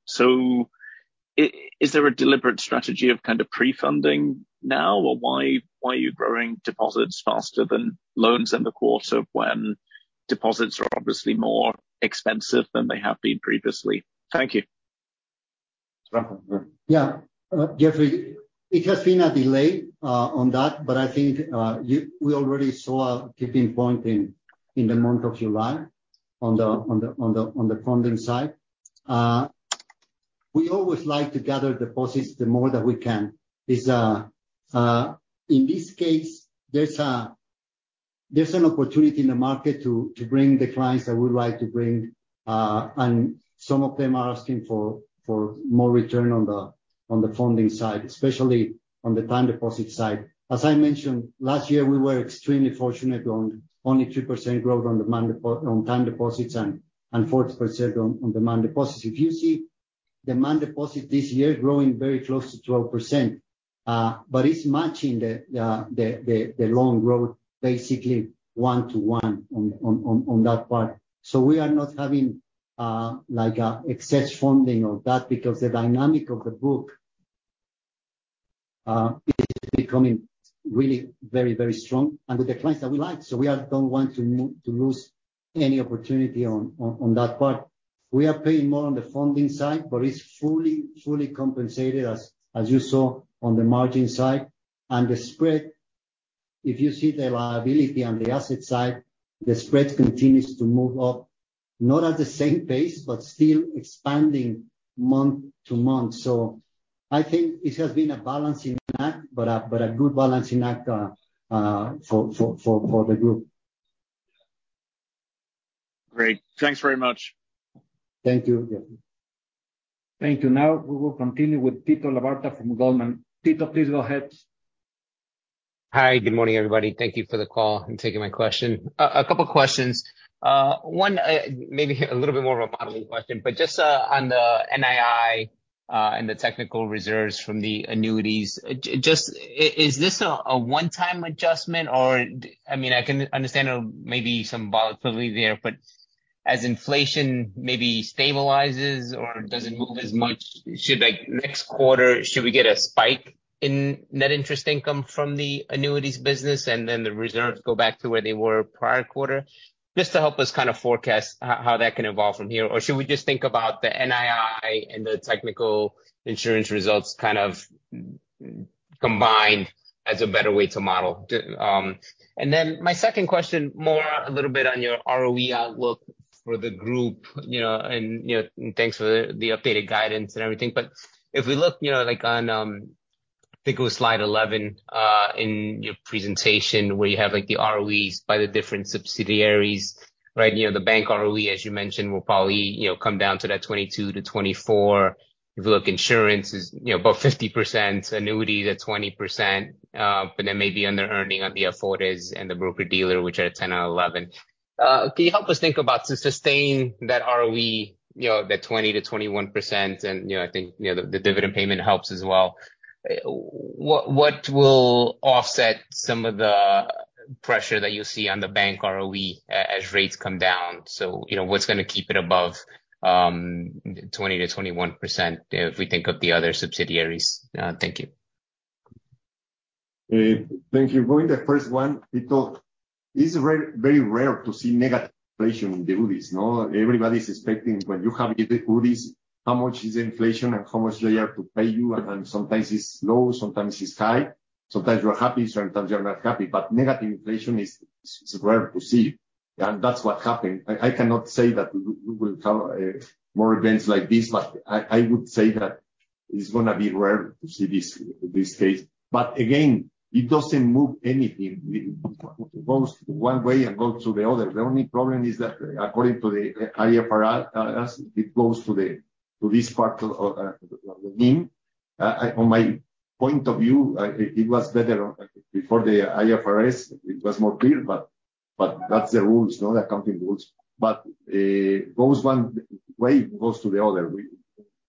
Is there a deliberate strategy of kind of pre-funding now, or why are you growing deposits faster than loans in the quarter when deposits are obviously more expensive than they have been previously? Thank you. Rafael. Yeah. Geoffrey, it has been a delay on that, but I think, we already saw a tipping point in the month of July on the funding side. We always like to gather deposits the more that we can. It's, in this case, there's an opportunity in the market to bring the clients that we would like to bring, and some of them are asking for more return on the funding side, especially on the time deposit side. As I mentioned, last year, we were extremely fortunate on only 2% growth on demand. On time deposits and 40% on demand deposits. If you see. this year growing very close to 12%. It's matching the the long road, basically one to one on that part. We are not having like an excess funding or that, because the dynamic of the book is becoming really very, very strong and with the clients that we like. We don't want to lose any opportunity on that part. We are paying more on the funding side, but it's fully compensated, as you saw on the margin side. The spread, if you see the liability on the asset side, the spread continues to move up, not at the same pace, but still expanding month-to-month. I think it has been a balancing act, but a good balancing act for the group. Great. Thanks very much. Thank you. Thank you. Now, we will continue with Tito Labarta from Goldman. Tito, please go ahead. everybody. Thank you for the call and taking my question. A couple questions. One, maybe a little bit more of a modeling question, but just on the NII and the technical reserves from the annuities, is this a one-time adjustment, or? I mean, I can understand there may be some volatility there, but as inflation maybe stabilizes or doesn't move as much, should, like, next quarter, should we get a spike in net interest income from the annuities business, and then the reserves go back to where they were prior quarter? Just to help us kind of forecast how that can evolve from here, or should we just think about the NII and the technical insurance results kind of combined as a better way to model? My second question, more a little bit on your ROE outlook for the group, you know, and, you know, thanks for the updated guidance and everything. If we look, you know, like, on, I think it was slide 11 in your presentation, where you have, like, the ROEs by the different subsidiaries, right? You know, the bank ROE, as you mentioned, will probably, you know, come down to that 22-24. If you look, insurance is, you know, about 50%, annuities at 20%, but then maybe under earning on the Afores and the broker-dealer, which are at 10 out of 11. Can you help us think about sustaining that ROE, you know, the 20%-21%? You know, I think, you know, the dividend payment helps as well. What will offset some of the pressure that you see on the bank ROE as rates come down? You know, what's going to keep it above 20%-21% if we think of the other subsidiaries? Thank you. Thank you. Going the first one, Tito, it's very, very rare to see negative inflation in the annuities, no? Everybody's expecting when you have the annuities, how much is inflation and how much they have to pay you, sometimes it's low, sometimes it's high, sometimes you're happy, sometimes you're not happy. Negative inflation is rare to see, and that's what happened. I cannot say that we will have more events like this, but I would say that it's gonna be rare to see this case. Again, it doesn't move anything. It goes one way and goes to the other. The only problem is that according to the IFRS, it goes to this part of the NIM. I on my point of view, it was better before the IFRS. It was more clear, but that's the rules, no, the company rules. Goes one way, it goes to the other. We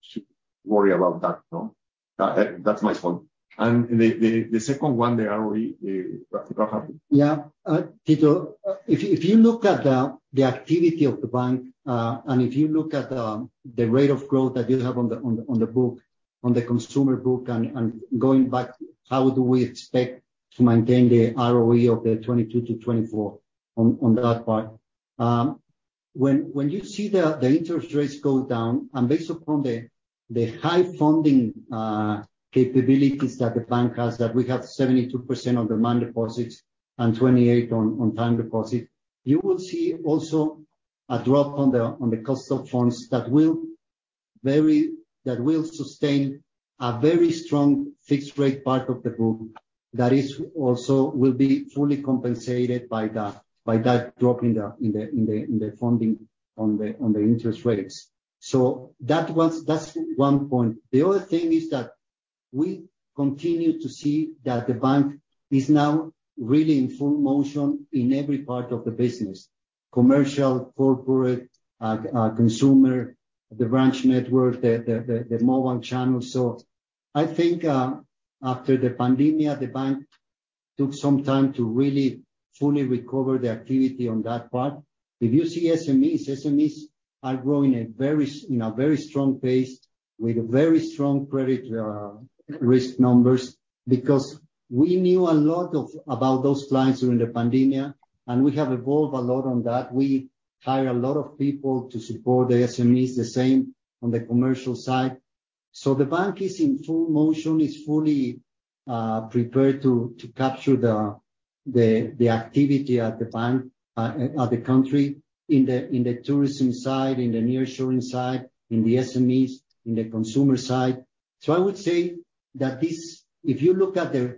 shouldn't worry about that, no? That's my point. The second one, the ROE, go ahead. Yeah. Tito, if you look at the activity of the bank, and if you look at the rate of growth that you have on the book, on the consumer book, and going back, how do we expect to maintain the ROE of the 22%-24% on that part? When you see the interest rates go down and based upon the high funding capabilities that the bank has, that we have 72% on demand deposits and 28% on time deposit, you will see also a drop on the cost of funds that will sustain a very strong fixed rate part of the group. That is, also will be fully compensated by that drop in the funding on the interest rates. That was. That's one point. The other thing is that we continue to see that the bank is now really in full motion in every part of the business: commercial, corporate, consumer, the branch network, the mobile channel. I think, after the pandemia, the bank took some time to really fully recover the activity on that part. If you see SMEs are growing in a very strong pace with very strong credit risk numbers, because we knew a lot about those clients during the pandemia, and we have evolved a lot on that. We hired a lot of people to support the SMEs, the same on the commercial side. The bank is in full motion, is fully prepared to capture the activity at the bank, at the country, in the tourism side, in the nearshoring side, in the SMEs, in the consumer side. I would say that this, if you look at the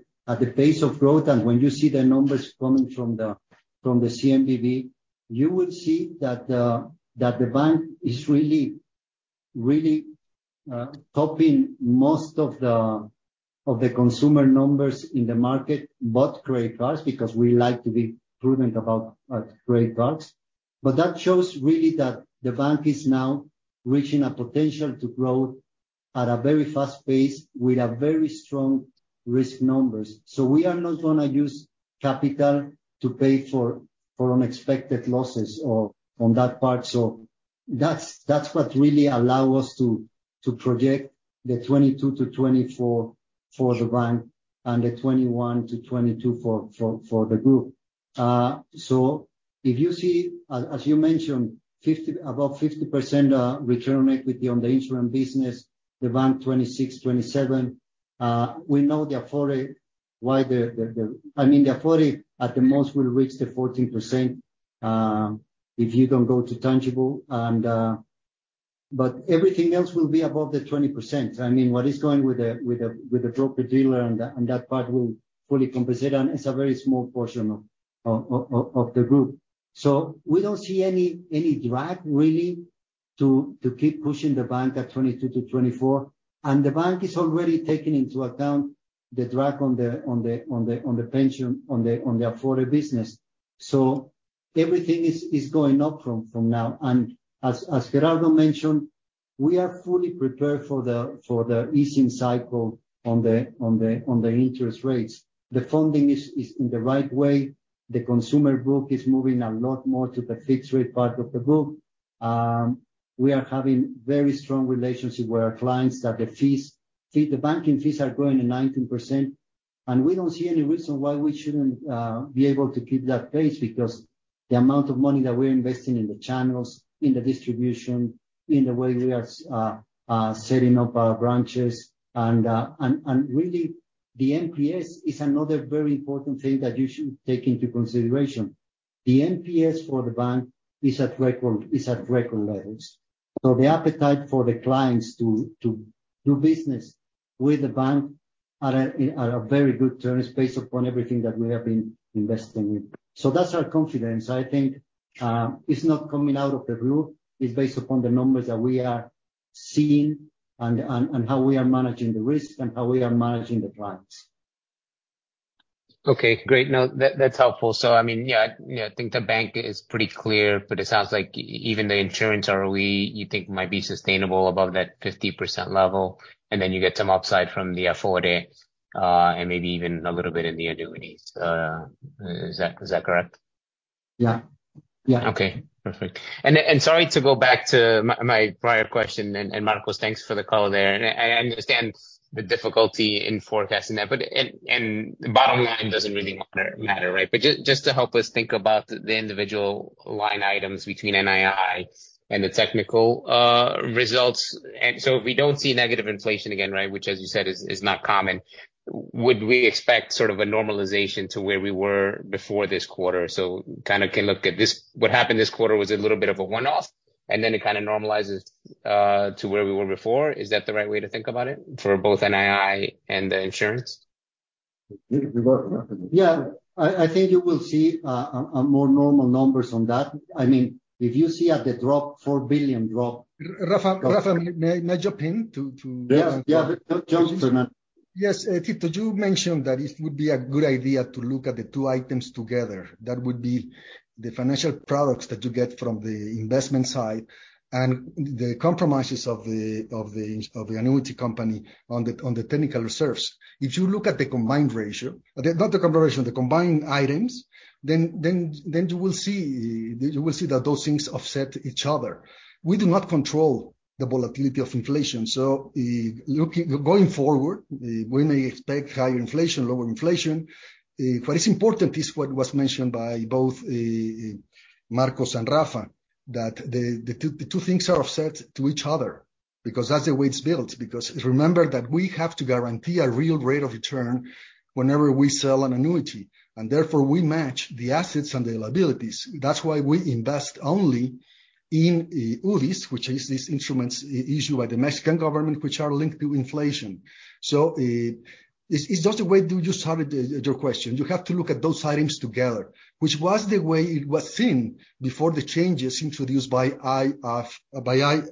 pace of growth, and when you see the numbers coming from the CNBV, you will see that the bank is really topping most of the consumer numbers in the market, but create price, because we like to be prudent about great products. That shows really that the bank is now reaching a potential to grow at a very fast pace with a very strong risk numbers. We are not gonna use capital to pay for unexpected losses or on that part. That's, that's what really allow us to project the 22-24% for the bank and the 21-22% for the group. If you see, as you mentioned, above 50%, return equity on the insurance business, the bank 26, 27%. We know the ICAP, why the, I mean, the ICAP at the most will reach the 14%, if you don't go to tangible, and. Everything else will be above the 20%. I mean, what is going with the, with the, with the broker dealer and that, and that part will fully compensate, and it's a very small portion of the group. We don't see any drag really to keep pushing the bank at 22-24%. The bank is already taking into account the drag on the pension, on the ICAP business. Everything is going up from now. As Gerardo mentioned, we are fully prepared for the easing cycle on the interest rates. The funding is in the right way. The consumer book is moving a lot more to the fixed rate part of the book. We are having very strong relationship with our clients, that the banking fees are growing at 19%, and we don't see any reason why we shouldn't be able to keep that pace, because the amount of money that we're investing in the channels, in the distribution, in the way we are setting up our branches, and really, the NPS is another very important thing that you should take into consideration. The NPS for the bank is at record levels. The appetite for the clients to do business with the bank are at, in a very good terms, based upon everything that we have been investing in. That's our confidence. I think it's not coming out of the blue. It's based upon the numbers that we are seeing and how we are managing the risk and how we are managing the clients. Okay, great. No, that's helpful. I mean, yeah, I think the bank is pretty clear, but it sounds like even the insurance ROE, you think might be sustainable above that 50% level, and then you get some upside from the ICAP, and maybe even a little bit in the annuities. Is that, is that correct? Yeah. Yeah. Okay, perfect. Sorry to go back to my prior question, and Marcos, thanks for the call there, and I understand the difficulty in forecasting that, but bottom line doesn't really matter, right? Just to help us think about the individual line items between NII and the technical results. If we don't see negative inflation again, right, which, as you said, is not common, would we expect sort of a normalization to where we were before this quarter? What happened this quarter was a little bit of a one-off, and then it kind of normalizes to where we were before. Is that the right way to think about it, for both NII and the insurance? Yeah, I think you will see a more normal numbers on that. I mean, if you see at the drop, 4 billion. Rafael, may jump in. Yeah, yeah. Jump in. Yes, Tito, you mentioned that it would be a good idea to look at the two items together. That would be the financial products that you get from the investment side and the compromises of the annuity company on the technical reserves. If you look at the combined ratio, not the combined ratio, the combined items, then you will see that those things offset each other. We do not control the volatility of inflation. Going forward, we may expect higher inflation, lower inflation. What is important is what was mentioned by both Marcos and Rafa, that the two things are offset to each other, because that's the way it's built. Because remember that we have to guarantee a real rate of return whenever we sell an annuity, and therefore we match the assets and the liabilities. That's why we invest only in UDIs, which is these instruments issued by the Mexican government, which are linked to inflation. It's just the way to just have it, your question. You have to look at those items together, which was the way it was seen before the changes introduced by IFRS.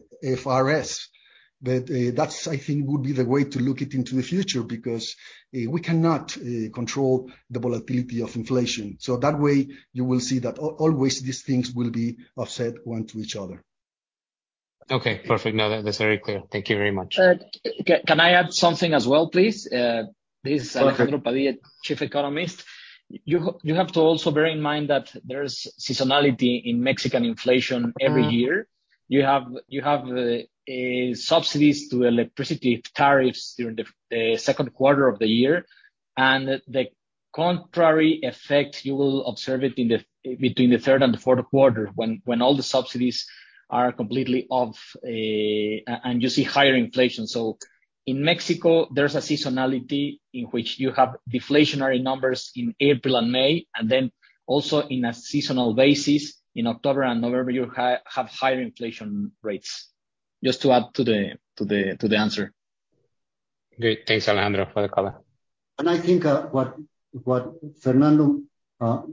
That, I think, would be the way to look it into the future, because we cannot control the volatility of inflation. That way, you will see that always these things will be offset one to each other. Okay, perfect. That's very clear. Thank you very much. Can I add something as well, please? This is Alejandro Padilla- Perfect. Chief Economist. You have to also bear in mind that there's seasonality in Mexican inflation every year. You have subsidies to electricity tariffs during the second quarter of the year, and the contrary effect, you will observe it between the third and the fourth quarter, when all the subsidies are completely off, and you see higher inflation. In Mexico, there's a seasonality in which you have deflationary numbers in April and May, and then also in a seasonal basis, in October and November, you have higher inflation rates. Just to add to the answer. Great. Thanks, Alejandro, for the call. I think what Fernando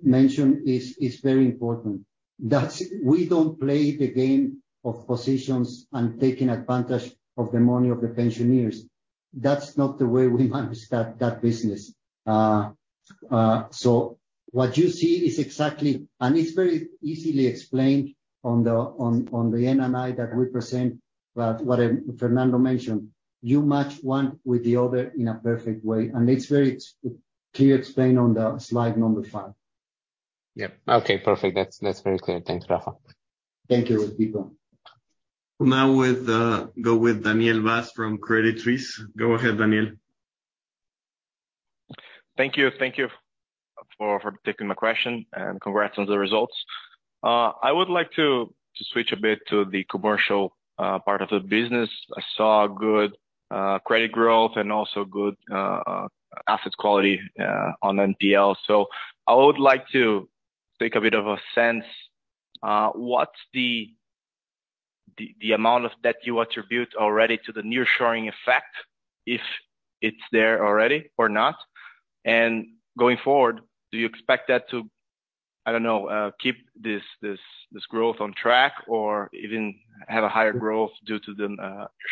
mentioned is very important. That's we don't play the game of positions and taking advantage of the money of the pensioners. That's not the way we want to start that business. What you see is exactly, and it's very easily explained on the NNI that we present, that what Fernando mentioned. You match one with the other in a perfect way, it's very clear explained on the slide number 5. Yep. Okay, perfect. That's very clear. Thank you, Rafa. Thank you, Diego. Go with Daniel Vaz from Credit Suisse. Go ahead, Daniel. Thank you. Thank you for taking my question, and congrats on the results. I would like to switch a bit to the commercial part of the business. I saw good credit growth and also good asset quality on NPL. I would like to take a bit of a sense, what's the amount of that you attribute already to the nearshoring effect, if it's there already or not? Going forward, do you expect that to, I don't know, keep this growth on track or even have a higher growth due to the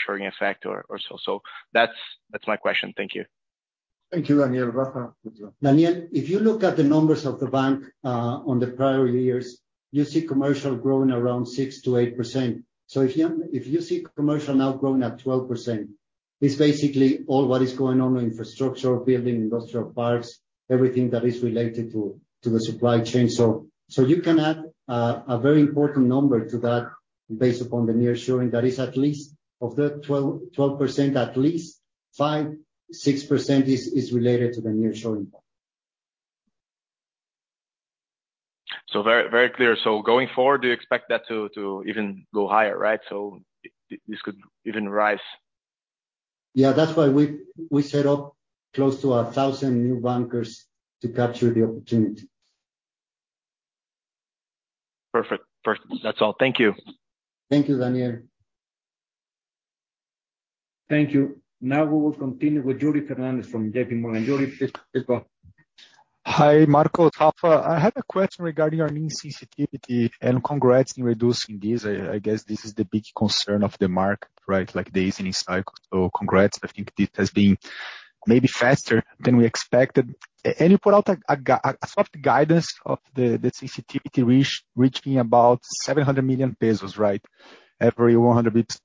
nearshoring effect or so? That's my question. Thank you. Thank you, Daniel. Rafa, go ahead. Daniel, if you look at the numbers of the bank, on the prior years, you see commercial growing around 6%-8%. If you see commercial now growing at 12%, it's basically all what is going on with infrastructure, building, industrial parks, everything that is related to the supply chain. You can add a very important number to that based upon the nearshoring. That is at least of the 12%, at least 5%-6% is related to the nearshoring. Very, very clear. Going forward, do you expect that to even go higher, right? This could even rise. Yeah, that's why we set up close to 1,000 new bankers to capture the opportunity. Perfect. Perfect. That's all. Thank you. Thank you, Daniel. Thank you. Now we will continue with Yuri Fernandes from J.P. Morgan. Yuri, please go. Hi, Marco. Rafa, I had a question regarding your new sensitivity, and congrats in reducing this. I guess this is the big concern of the market, right? Like the easing cycle. Congrats. I think this has been maybe faster than we expected. You put out a soft guidance of the sensitivity reach, reaching about 700 million pesos, right? Every 100 bits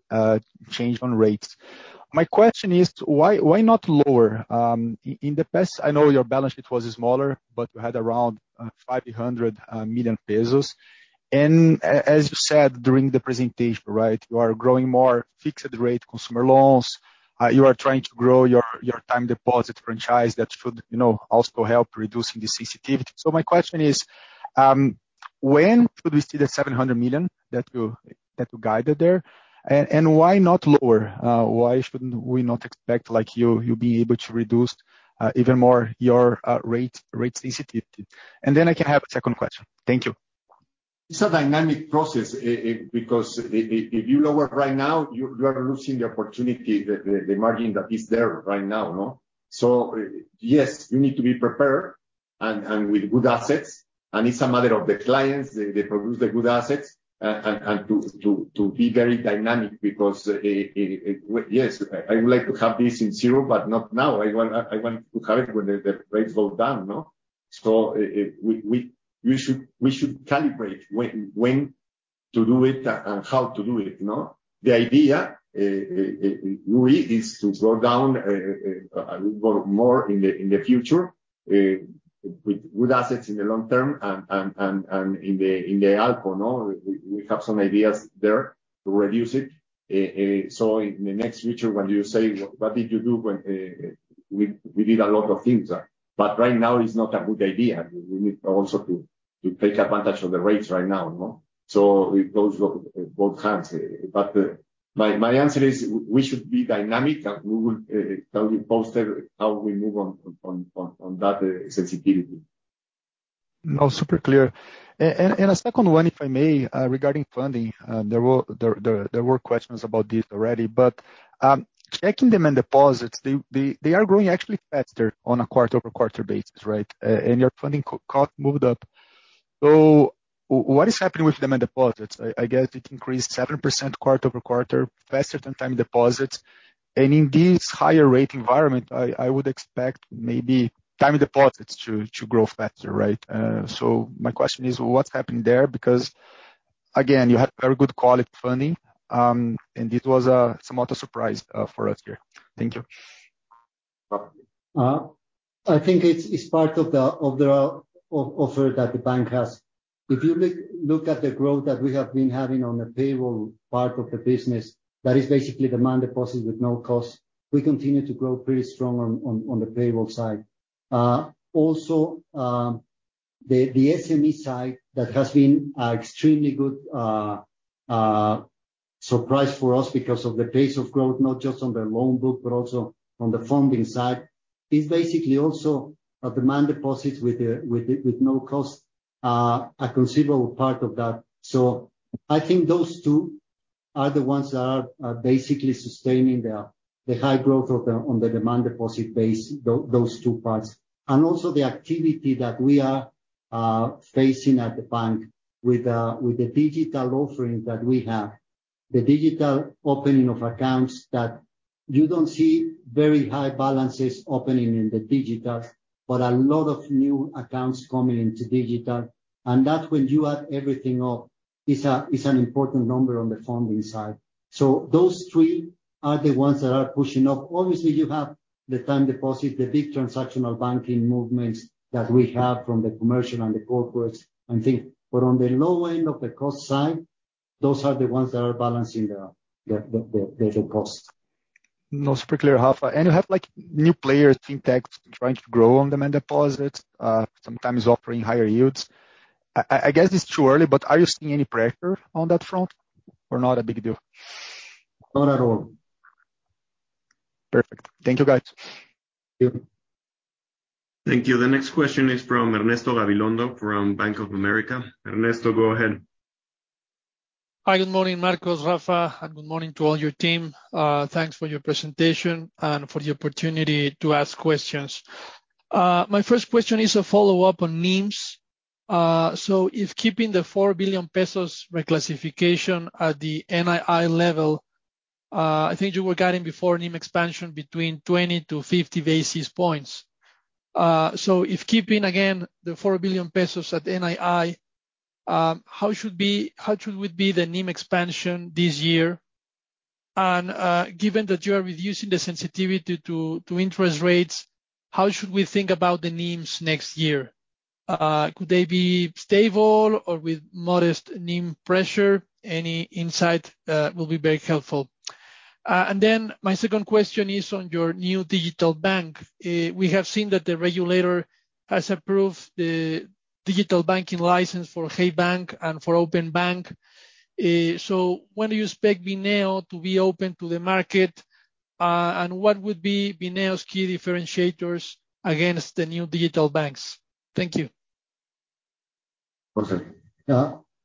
change on rates. My question is, why not lower? In the past, I know your balance sheet was smaller, but you had around 500 million pesos. As you said, during the presentation, right, you are growing more fixed rate consumer loans. You are trying to grow your time deposit franchise. That should, you know, also help reducing the sensitivity. My question is, when should we see the $700 million that you guided there? Why not lower? Why shouldn't we not expect, like, you being able to reduce, even more your rate sensitivity? Then I can have a second question. Thank you. It's a dynamic process, because if you lower right now, you are losing the opportunity, the margin that is there right now, no? Yes, you need to be prepared and with good assets, and it's a matter of the clients, they produce the good assets, and to be very dynamic because, yes, I would like to have this in zero, but not now. I want to have it when the rates go down, no? We should calibrate when to do it and how to do it, no? The idea is to go down, go more in the future, with good assets in the long term and in the alto, no, we have some ideas there to reduce it. In the next future, when you say, what did you do when? We did a lot of things, but right now is not a good idea. We need also to take advantage of the rates right now, no? It goes both hands. My answer is we should be dynamic, and we will tell you posted how we move on that sensitivity. No, super clear. A second one, if I may, regarding funding. There were questions about this already, but checking them in deposits, they are growing actually faster on a quarter-over-quarter basis, right? Your funding co-cost moved up. What is happening with demand deposits? I guess it increased 7% quarter-over-quarter, faster than time deposits. In this higher rate environment, I would expect maybe time deposits to grow faster, right? My question is: What's happening there? Because, again, you had very good quality funding, and it was somewhat a surprise for us here. Thank you. I think it's part of the offer that the bank has. If you look at the growth that we have been having on the payroll part of the business, that is basically demand deposits with no cost. We continue to grow pretty strong on the payroll side. Also, the SME side, that has been a extremely good surprise for us because of the pace of growth, not just on the loan book, but also on the funding side. It's basically also a demand deposit with no cost, a considerable part of that. I think those two- are the ones that are basically sustaining the high growth of the, on the demand deposit base, those two parts. Also the activity that we are facing at the bank with the digital offering that we have. The digital opening of accounts that you don't see very high balances opening in the digital, but a lot of new accounts coming into digital. That, when you add everything up, is an important number on the funding side. Those three are the ones that are pushing up. Obviously, you have the time deposit, the big transactional banking movements that we have from the commercial and the corporates and things. On the low end of the cost side, those are the ones that are balancing the cost. No, super clear, Rafa. You have, like, new players in tech trying to grow on demand deposits, sometimes offering higher yields. I guess it's too early, but are you seeing any pressure on that front or not a big deal? Not at all. Perfect. Thank you, guys. Thank you. Thank you. The next question is from Ernesto Gabilondo from Bank of America. Ernesto, go ahead. Hi, good morning, Marcos, Rafa, and good morning to all your team. Thanks for your presentation and for the opportunity to ask questions. My first question is a follow-up on NIMs. If keeping the 4 billion pesos reclassification at the NII level, I think you were guiding before NIM expansion between 20 to 50 basis points. If keeping again the 4 billion pesos at NII, how should would be the NIM expansion this year? Given that you are reducing the sensitivity to interest rates, how should we think about the NIMs next year? Could they be stable or with modest NIM pressure? Any insight will be very helpful. My second question is on your new digital bank. We have seen that the regulator has approved the digital banking license for Hey Banco and for Openbank. When do you expect Bineo to be open to the market, and what would be Bineo's key differentiators against the new digital banks? Thank you. Okay.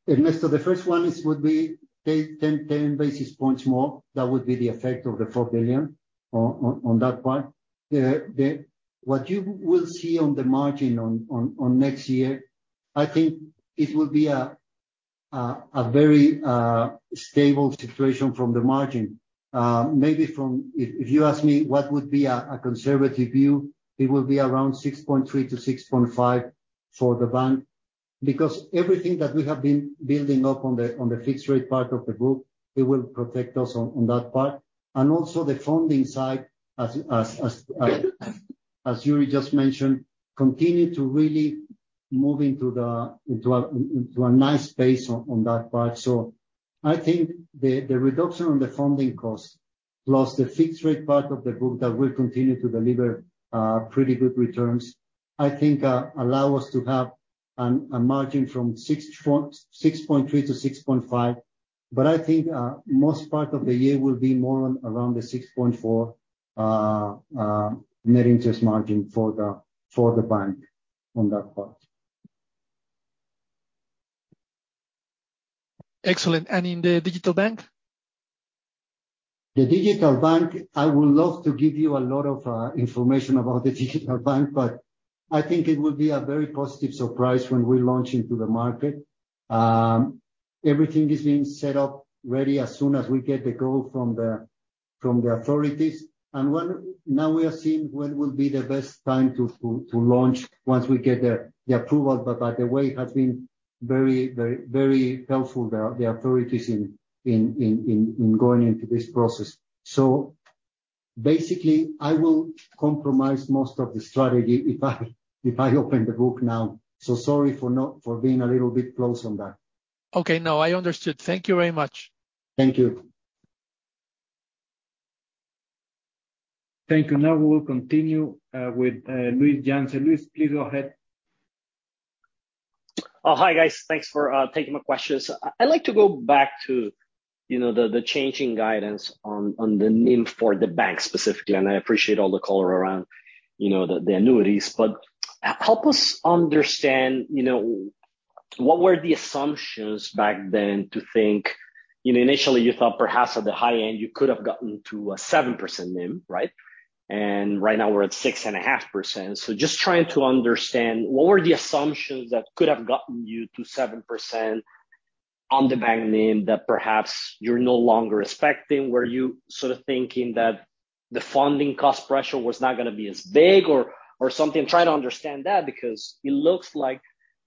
Ernesto, the first one is, would be 10 basis points more. That would be the effect of the 4 billion on that part. What you will see on the margin on next year, I think it will be a very stable situation from the margin. If you ask me what would be a conservative view, it will be around 6.3%-6.5% for the bank, because everything that we have been building up on the fixed rate part of the book, it will protect us on that part. Also the funding side, as Yuri just mentioned, continue to really move into a nice space on that part. I think the reduction on the funding cost, plus the fixed rate part of the book that will continue to deliver pretty good returns, I think, allow us to have a margin from 6.3%-6.5%. I think most part of the year will be more around the 6.4% net interest margin for the bank on that part. Excellent. In the digital bank? The digital bank, I would love to give you a lot of information about the digital bank, but I think it will be a very positive surprise when we launch into the market. Everything is being set up ready as soon as we get the go from the authorities. Now we are seeing when will be the best time to launch, once we get the approval. By the way, it has been very helpful, the authorities in going into this process. Basically, I will compromise most of the strategy if I open the book now. Sorry for being a little bit close on that. Okay, no, I understood. Thank you very much. Thank you. Thank you. We will continue with Luis Janzen. Luis, please go ahead. Oh, hi, guys. Thanks for taking my questions. I'd like to go back to, you know, the changing guidance on the NIM for the bank specifically, and I appreciate all the color around, you know, the annuities. Help us understand, you know, what were the assumptions back then to think? You know, initially you thought perhaps at the high end, you could have gotten to a 7% NIM, right? Right now, we're at 6.5%. Just trying to understand, what were the assumptions that could have gotten you to 7% on the bank NIM that perhaps you're no longer expecting? Were you sort of thinking that the funding cost pressure was not gonna be as big or something? I'm trying to understand that because it looks like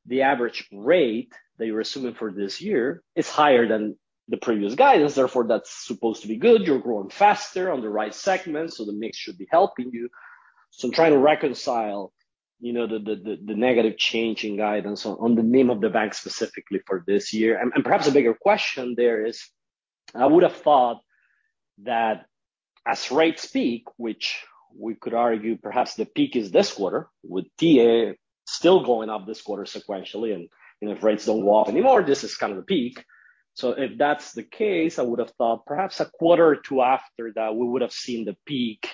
the average rate that you were assuming for this year is higher than the previous guidance, therefore, that's supposed to be good. You're growing faster on the right segment, so the mix should be helping you. I'm trying to reconcile, you know, the negative change in guidance on the NIM of the bank, specifically for this year. Perhaps a bigger question there is, I would have thought that as rates peak, which we could argue, perhaps the peak is this quarter, with TA still going up this quarter sequentially, and, you know, if rates don't go up anymore, this is kind of the peak. If that's the case, I would have thought perhaps a quarter or two after that, we would have seen the peak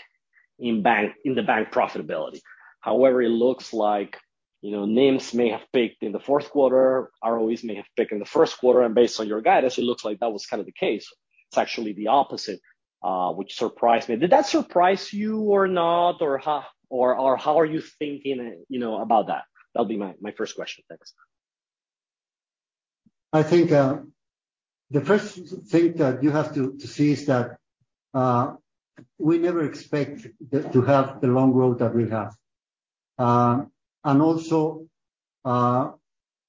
in the bank profitability. It looks like, you know, NIMs may have peaked in the fourth quarter, ROEs may have peaked in the first quarter, and based on your guidance, it looks like that was kind of the case. It's actually the opposite, which surprised me. Did that surprise you or not? How, or how are you thinking, you know, about that? That'll be my first question. Thanks. I think, the first thing that you have to see is that, we never expect to have the loan growth that we have. Also,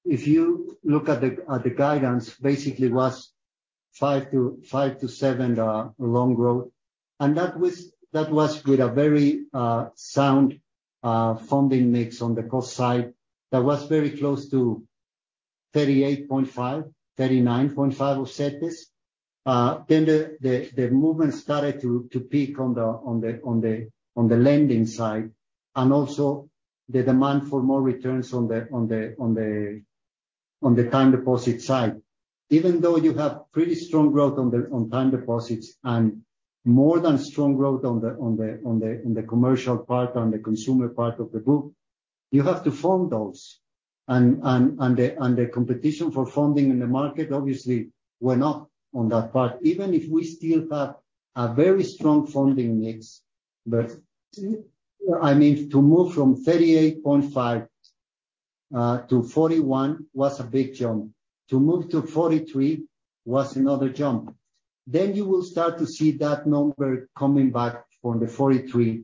if you look at the guidance, basically it was 5%-7% loan growth. That was with a very sound funding mix on the cost side that was very close to 38.5%, 39.5% of surplus. The movement started to peak on the lending side, and also the demand for more returns on the time deposit side. Even though you have pretty strong growth on time deposits, and more than strong growth on the commercial part and the consumer part of the group, you have to fund those. The competition for funding in the market, obviously we're not on that part, even if we still have a very strong funding mix. I mean, to move from 38.5% to 41% was a big jump. To move to 43% was another jump. You will start to see that number coming back from the 43%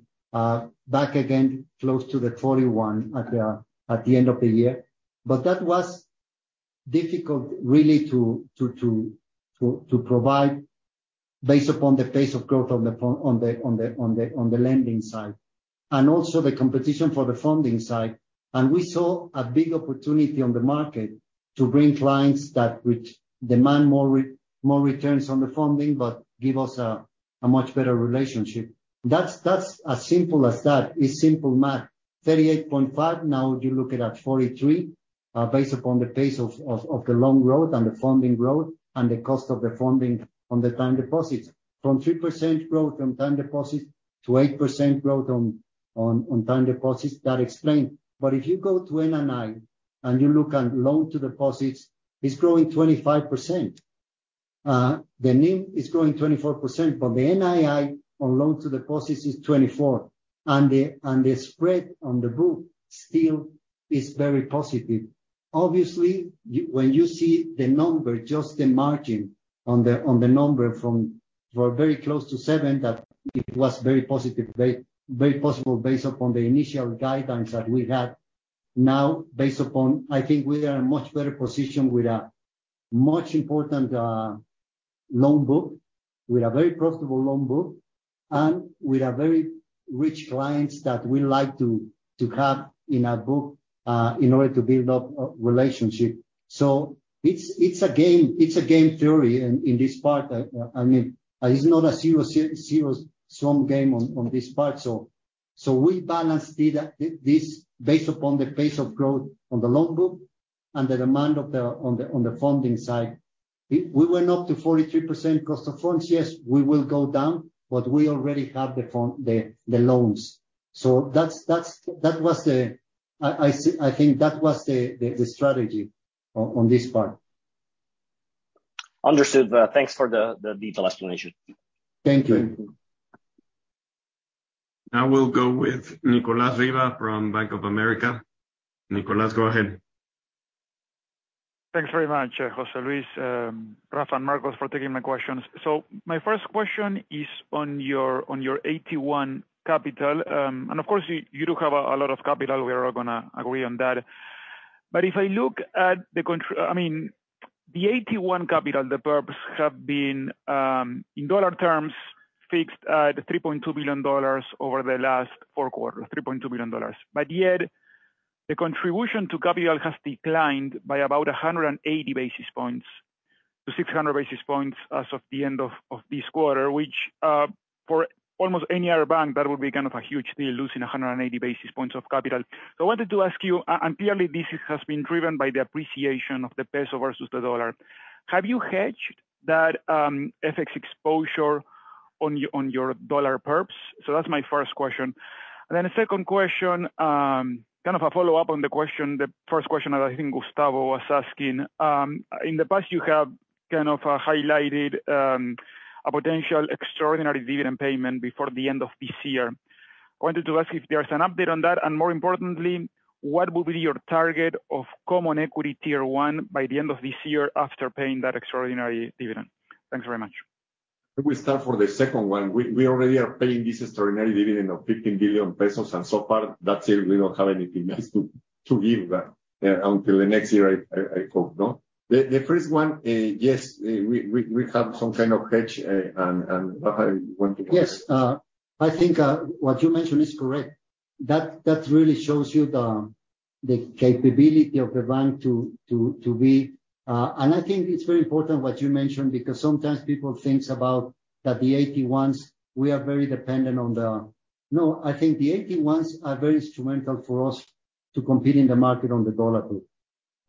back again, close to the 41% at the end of the year. That was difficult, really, to provide based upon the pace of growth on the lending side, and also the competition for the funding side. We saw a big opportunity on the market to bring clients that which demand more returns on the funding, but give us a much better relationship. That's as simple as that. It's simple math. 38.5, now you look it at 43, based upon the pace of the loan growth and the funding growth and the cost of the funding on the time deposits. From 3% growth on time deposits to 8% growth on time deposits, that explained. If you go to NNI, and you look at loan to deposits, it's growing 25%. The NIM is growing 24%, but the NII on loans to deposits is 24%, and the spread on the book still is very positive. Obviously, when you see the number, just the margin on the number from very close to 7%, that it was very positive, very possible based upon the initial guidance that we had. Now, I think we are in a much better position with a much important loan book, with a very profitable loan book, and with a very rich clients that we like to have in our book, in order to build up a relationship. It's a game, it's a game theory in this part. I mean, it's not a zero-sum game on this part. We balance this based upon the pace of growth on the loan book and the demand of the funding side. We went up to 43% cost of funds. Yes, we will go down, but we already have the loans. That's, that was the... I see, I think that was the strategy on this part. Understood. Thanks for the detailed explanation. Thank you. Now we'll go with Nicolas Riva from Bank of America. Nicolas, go ahead. Thanks very much, Jose Luis, Rafa, and Marcos, for taking my questions. My first question is on your AT1 capital. And of course, you do have a lot of capital. We are all gonna agree on that. If I look at the I mean, the AT1 capital, the Perps have been in dollar terms, fixed at $3.2 billion over the last four quarters. Yet, the contribution to capital has declined by about 180 basis points, to 600 basis points as of the end of this quarter, which for almost any other bank, that would be kind of a huge deal, losing 180 basis points of capital. I wanted to ask you, and clearly this has been driven by the appreciation of the peso versus the dollar, have you hedged that FX exposure on your dollar PERP? That's my first question. Then the second question, kind of a follow-up on the question, the first question that I think Gustavo was asking. In the past, you have kind of highlighted a potential extraordinary dividend payment before the end of this year. I wanted to ask if there's an update on that, and more importantly, what will be your target of common equity Tier One by the end of this year after paying that extraordinary dividend? Thanks very much. We start for the second one. We already are paying this extraordinary dividend of 15 billion pesos, and so far, that's it. We don't have anything else to give until the next year, I hope, no? The first one, yes, we have some kind of hedge. Rafa, you want to comment? Yes, I think what you mentioned is correct. That really shows you the capability of the bank to be... I think it's very important what you mentioned, because sometimes people thinks about that the AT1s, we are very dependent on the. No, I think the AT1s are very instrumental for us to compete in the market on the dollar book.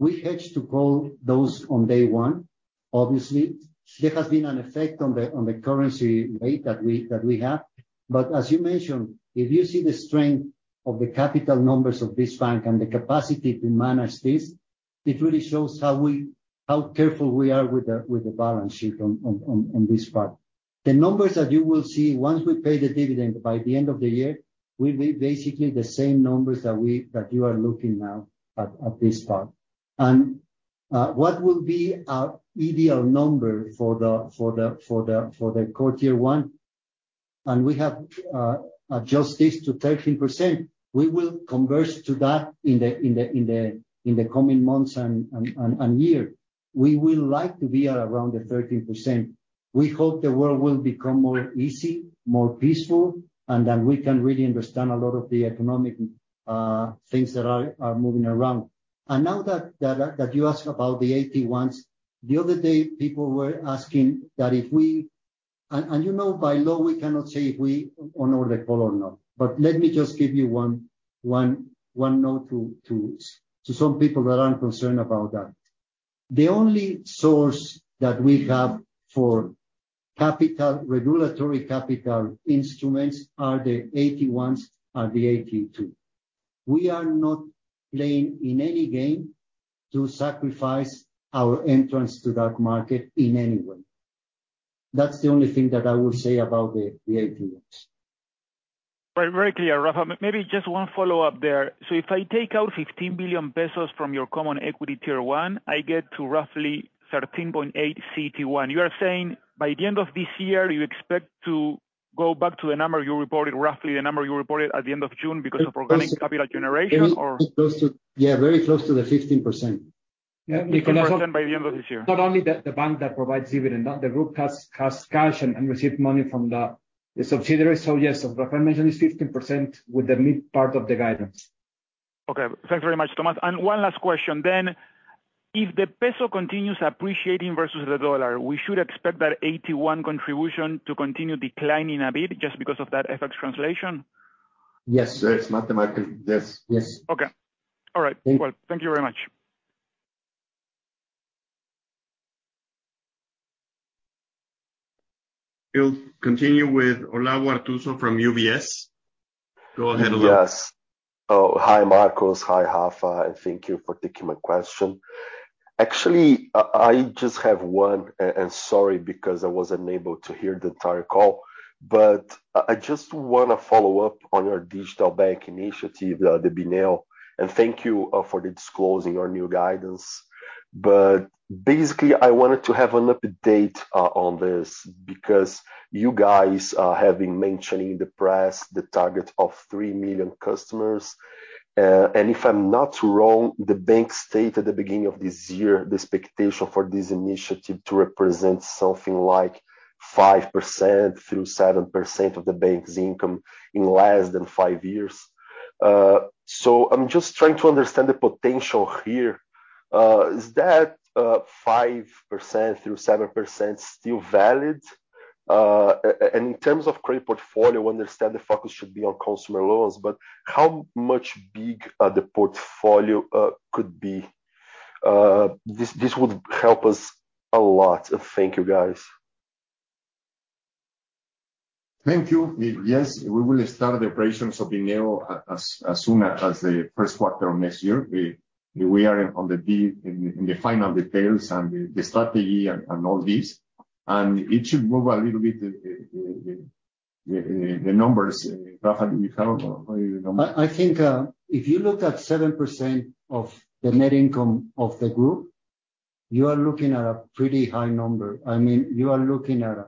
We hedge to call those on day one. Obviously, there has been an effect on the currency rate that we have. As you mentioned, if you see the strength of the capital numbers of this bank and the capacity to manage this, it really shows how careful we are with the balance sheet on this part. The numbers that you will see once we pay the dividend by the end of the year, will be basically the same numbers that you are looking now at this part. What will be our ideal number for the core Tier 1, and we have adjust this to 13%. We will converge to that in the coming months and year. We will like to be at around the 13%. We hope the world will become more easy, more peaceful, and that we can really understand a lot of the economic things that are moving around. Now that you ask about the AT1s, the other day, people were asking that and you know, by law, we cannot say if we honor the call or not, but let me just give you one note to some people that are concerned about that. The only source that we have for capital, regulatory capital instruments are the AT1s and the AT2. We are not playing in any game to sacrifice our entrance to that market in any way. That's the only thing that I will say about the AT1s. Very, very clear, Rafa. Maybe just one follow-up there. If I take out 15 billion pesos from your common equity Tier 1, I get to roughly 13.8 CET1. You are saying by the end of this year, you expect to go back to the number you reported, roughly the number you reported at the end of June because of organic capital generation, or? Yeah, very close to the 15%. Yeah. By the end of this year. Not only the bank that provides dividend, the group has cash and received money from the subsidiary. Yes, as Rafa mentioned, it's 15% with the mid part of the guidance. Okay. Thanks very much, Thomas. One last question then: If the peso continues appreciating versus the dollar, we should expect that AT1 contribution to continue declining a bit just because of that FX translation? Yes, yes. Mathematically, yes. Okay. All right. Thank you. Well, thank you very much. We'll continue with Olavo Arthuzo from UBS. Go ahead, Olavo. Yes. Hi, Marcos. Hi, Rafa. Thank you for taking my question. Actually, I just have one. Sorry, because I was unable to hear the entire call. I just wanna follow up on your digital bank initiative, the Bineo. Thank you for disclosing your new guidance. Basically, I wanted to have an update on this, because you guys have been mentioning in the press the target of 3 million customers. If I'm not wrong, the bank stated at the beginning of this year, the expectation for this initiative to represent something like 5%-7% of the bank's income in less than five years. I'm just trying to understand the potential here. Is that 5%-7% still valid? In terms of credit portfolio, understand the focus should be on consumer loans, but how much big the portfolio could be? This would help us a lot. Thank you, guys. Thank you. Yes, we will start the operations of Bineo as soon as the first quarter of next year. We are in the final details and the strategy and all this, and it should move a little bit, the numbers. Rafa, do you have all your numbers? I think, if you look at 7% of the net income of the group, you are looking at a pretty high number. I mean, you are looking at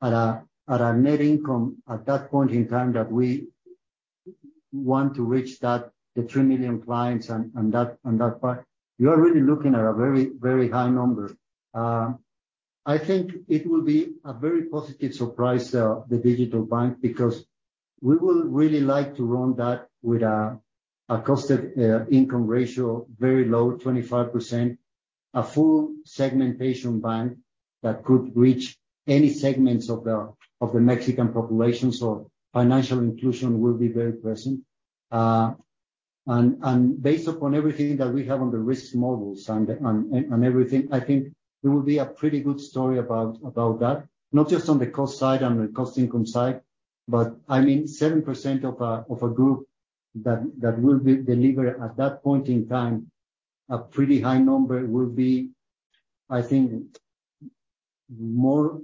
a net income at that point in time that we want to reach that, the 3 million clients on that part, you are really looking at a very, very high number. I think it will be a very positive surprise, the digital bank, because we will really like to run that with a costed income ratio, very low, 25%. A full segmentation bank that could reach any segments of the Mexican population. Financial inclusion will be very present. And based upon everything that we have on the risk models and everything, I think it will be a pretty good story about that. Not just on the cost side and the cost income side, but I mean, 7% of a group that will be delivered at that point in time, a pretty high number will be, I think, more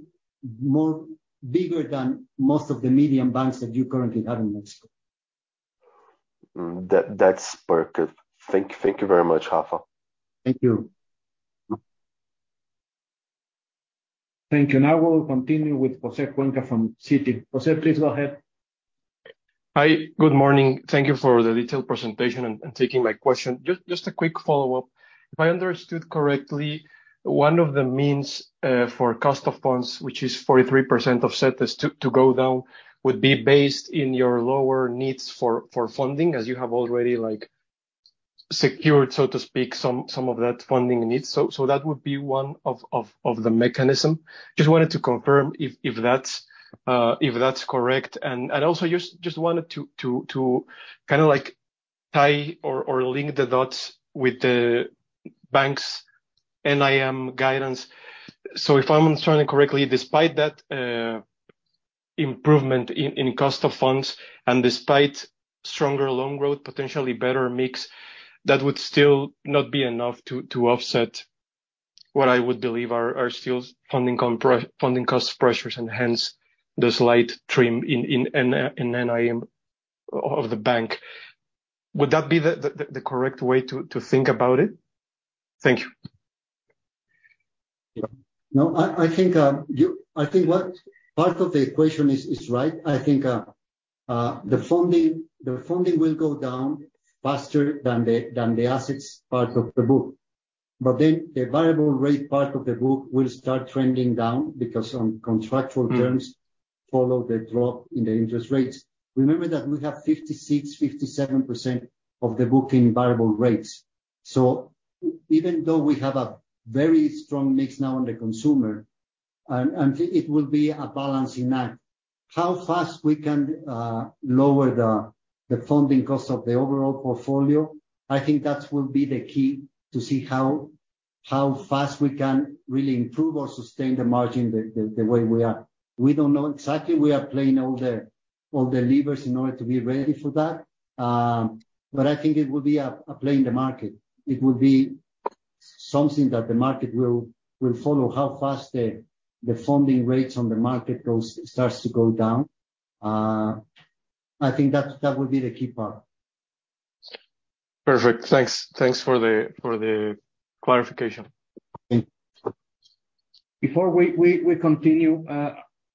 bigger than most of the medium banks that you currently have in Mexico. That's perfect. Thank you very much, Rafa. Thank you. Thank you. Now we'll continue with José Cuenca from Citi. José, please go ahead. Hi, good morning. Thank you for the detailed presentation and taking my question. Just a quick follow-up. If I understood correctly, one of the means for cost of funds, which is 43% of set, is to go down, would be based in your lower needs for funding, as you have already, like, secured, so to speak, some of that funding needs. So that would be one of the mechanism. Just wanted to confirm if that's correct, also just wanted to kind of like tie or link the dots with the bank's NIM guidance? If I'm understanding correctly, despite that, improvement in cost of funds, and despite stronger loan growth, potentially better mix, that would still not be enough to offset what I would believe are still funding funding cost pressures, and hence the slight trim in NIM of the bank. Would that be the, the correct way to think about it? Thank you. No, I think what part of the equation is right. I think the funding will go down faster than the assets part of the book. The variable rate part of the book will start trending down because on contractual terms. Mm-hmm follow the drop in the interest rates. Remember that we have 56%, 57% of the book in variable rates. Even though we have a very strong mix now on the consumer, and it will be a balancing act, how fast we can lower the funding cost of the overall portfolio, I think that will be the key to see how fast we can really improve or sustain the margin the way we are. We don't know exactly. We are playing all the levers in order to be ready for that. I think it will be a play in the market. It will be something that the market will follow, how fast the funding rates on the market starts to go down. I think that would be the key part. Perfect. Thanks. Thanks for the clarification. Before we continue,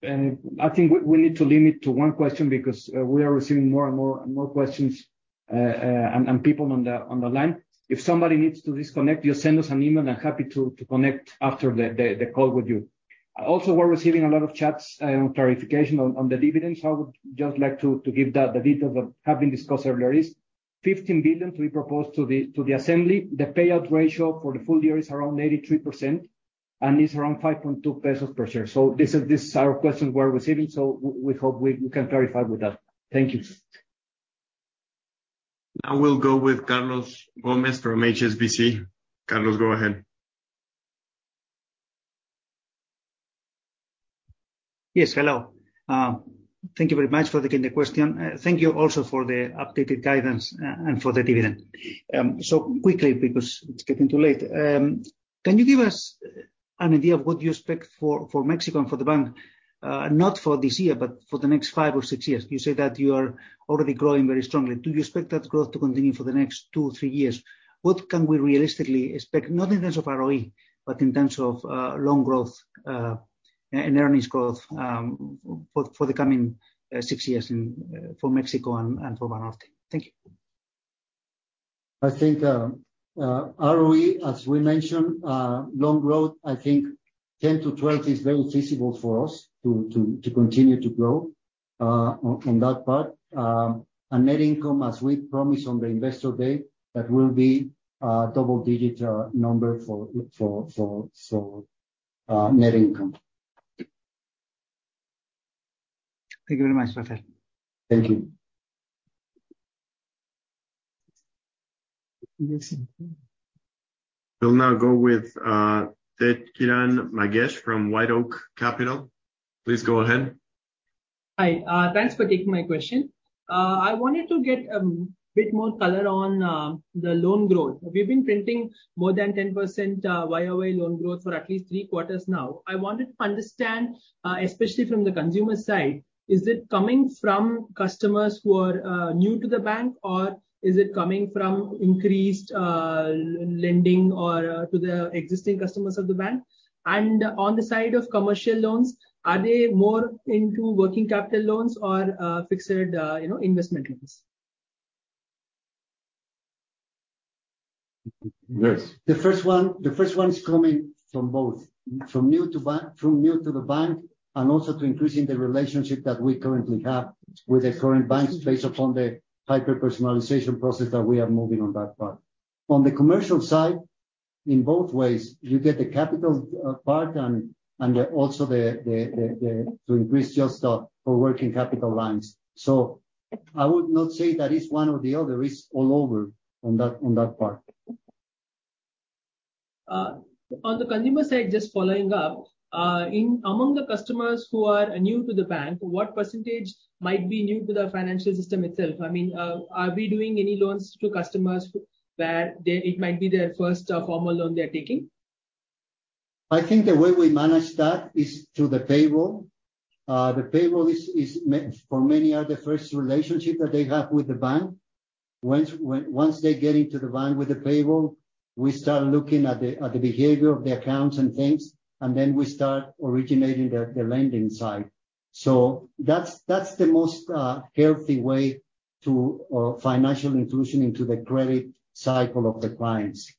and I think we need to limit to one question because we are receiving more and more questions, and people on the line. If somebody needs to disconnect, just send us an email. I'm happy to connect after the call with you. Also, we're receiving a lot of chats on clarification on the dividends. I would just like to give the details that have been discussed earlier, is 15 billion to be proposed to the assembly. The payout ratio for the full year is around 83%, and it's around 5.2 pesos per share. This is our question we're receiving, we hope we can clarify with that. Thank you. Now we'll go with Carlos Gomez from HSBC. Carlos, go ahead. Yes, hello. Thank you very much for taking the question. Thank you also for the updated guidance, and for the dividend. Quickly, because it's getting too late, can you give us an idea of what you expect for Mexico and for the bank, not for this year, but for the next five or six years? You say that you are already growing very strongly. Do you expect that growth to continue for the next two, three years? What can we realistically expect, not in terms of ROE, but in terms of loan growth, and earnings growth, for the coming 6 years in for Mexico and for Banorte? Thank you. I think ROE, as we mentioned, loan growth, I think 10%-20% is very feasible for us to continue to grow on that part. Net income, as we promised on the Investor Day, that will be a double-digit number for net income. Thank you very much, Rafael. Thank you. We'll now go with Tejkiran Magesh from WhiteOak Capital. Please go ahead. Hi, thanks for taking my question. I wanted to get a bit more color on the loan growth. We've been printing more than 10% YOY loan growth for at least three quarters now. I wanted to understand, especially from the consumer side, is it coming from customers who are new to the bank, or is it coming from increased lending or to the existing customers of the bank? On the side of commercial loans, are they more into working capital loans or fixed, you know, investment loans? Yes. The first one is coming from both: from new to the bank, and also to increasing the relationship that we currently have with the current banks, based upon the hyper-personalization process that we are moving on that part. On the commercial side, in both ways, you get the capital part, and also the to increase your stock for working capital lines. I would not say that it's one or the other, it's all over on that, on that part. On the consumer side, just following up, among the customers who are new to the bank, what percentage might be new to the financial system itself? I mean, are we doing any loans to customers where they, it might be their first, formal loan they're taking? I think the way we manage that is through the payroll. The payroll is for many, are the first relationship that they have with the bank. Once they get into the bank with the payroll, we start looking at the behavior of the accounts and things, and then we start originating the lending side. That's the most healthy way to financial inclusion into the credit cycle of the clients.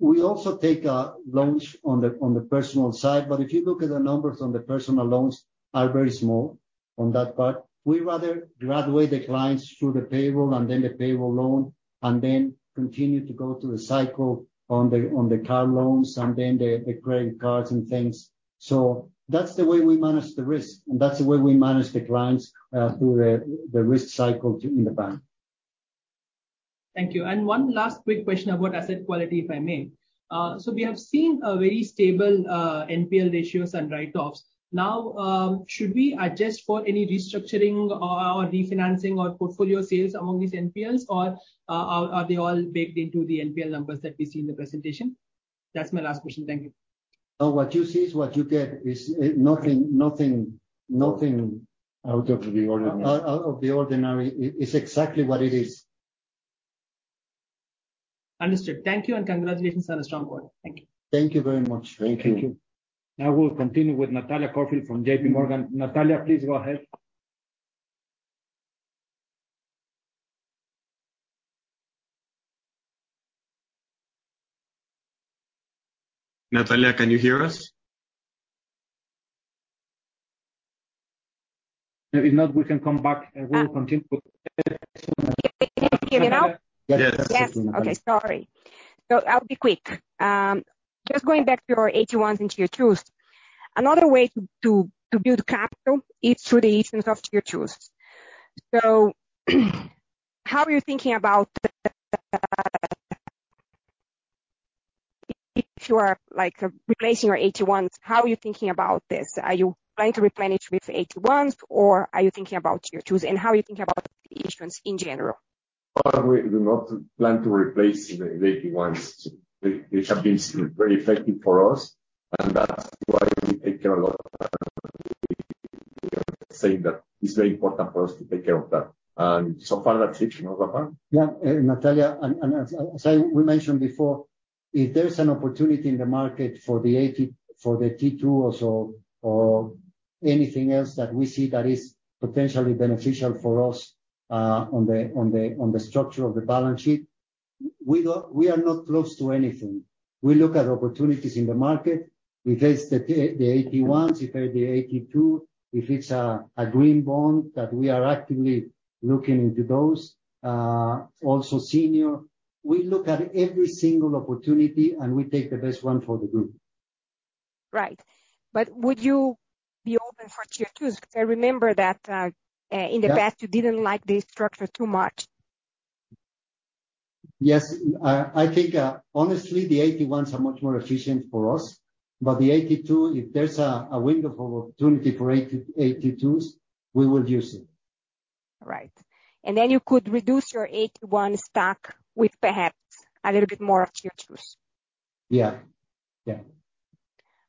We also take loans on the personal side, but if you look at the numbers on the personal loans, are very small on that part. We rather graduate the clients through the payroll and then the payroll loan, and then continue to go through the cycle on the car loans and then the credit cards and things. That's the way we manage the risk, and that's the way we manage the clients, through the risk cycle in the bank. Thank you. One last quick question about asset quality, if I may. We have seen a very stable NPL ratios and write-offs. Should we adjust for any restructuring or refinancing or portfolio sales among these NPLs, or are they all baked into the NPL numbers that we see in the presentation? That's my last question. Thank you. No, what you see is what you get. It's nothing. Out of the ordinary. Out of the ordinary. It's exactly what it is. Understood. Thank you, and congratulations on a strong quarter. Thank you. Thank you very much. Thank you. Thank you. Now we'll continue with Natalia Corfield from J.P. Morgan. Natalia, please go ahead. Natalia, can you hear us? If not, we can come back, and we'll continue. Can you hear me now? Yes. Yes. Okay, sorry. I'll be quick. Just going back to your AT1s and AT2, another way to build capital is through the issuance of AT2. If you are, like, replacing your AT1s, how are you thinking about this? Are you planning to replenish with AT1s, or are you thinking about AT2, and how are you thinking about the issuance in general? Well, we do not plan to replace the AT1s. They have been very effective for us, and that's why we take care a lot of saying that it's very important for us to take care of that. So far, that's it, Rafa? Yeah, Natalia, as we mentioned before, if there's an opportunity in the market for the AT2 or so, or anything else that we see that is potentially beneficial for us on the structure of the balance sheet, we are not closed to anything. We look at opportunities in the market. We face the AT1, if it's the AT2, if it's a green bond, that we are actively looking into those, also senior. We look at every single opportunity, and we take the best one for the group. Right. Would you be open for AT2? Because I remember that. Yeah in the past, you didn't like this structure too much. I think, honestly, the AT1s are much more efficient for us, but the AT2, if there's a window of opportunity for AT2s, we will use it. Right. Then you could reduce your AT1 stack with perhaps a little bit more of AT2. Yeah. Yeah.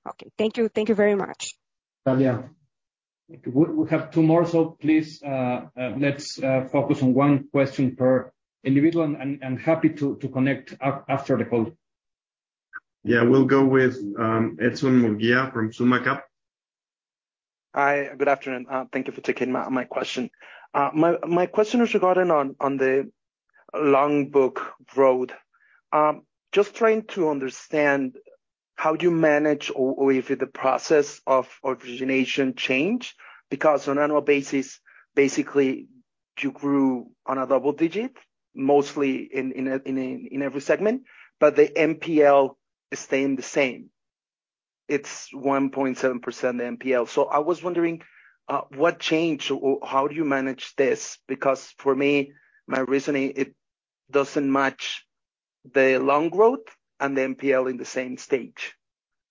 Okay. Thank you. Thank you very much. Natalia. We have two more, please let's focus on one question per individual, and happy to connect after the call. Yeah. We'll go with, Edson Murguia from SummaCap. Hi, good afternoon. Thank you for taking my question. My question is regarding on the loan book growth. Just trying to understand, how do you manage or if the process of origination change? On annual basis, basically, you grew on a double-digit, mostly in every segment, but the NPL is staying the same. It's 1.7%, the NPL. I was wondering, what changed, or how do you manage this? For me, my reasoning, it doesn't match the long growth and the NPL in the same stage.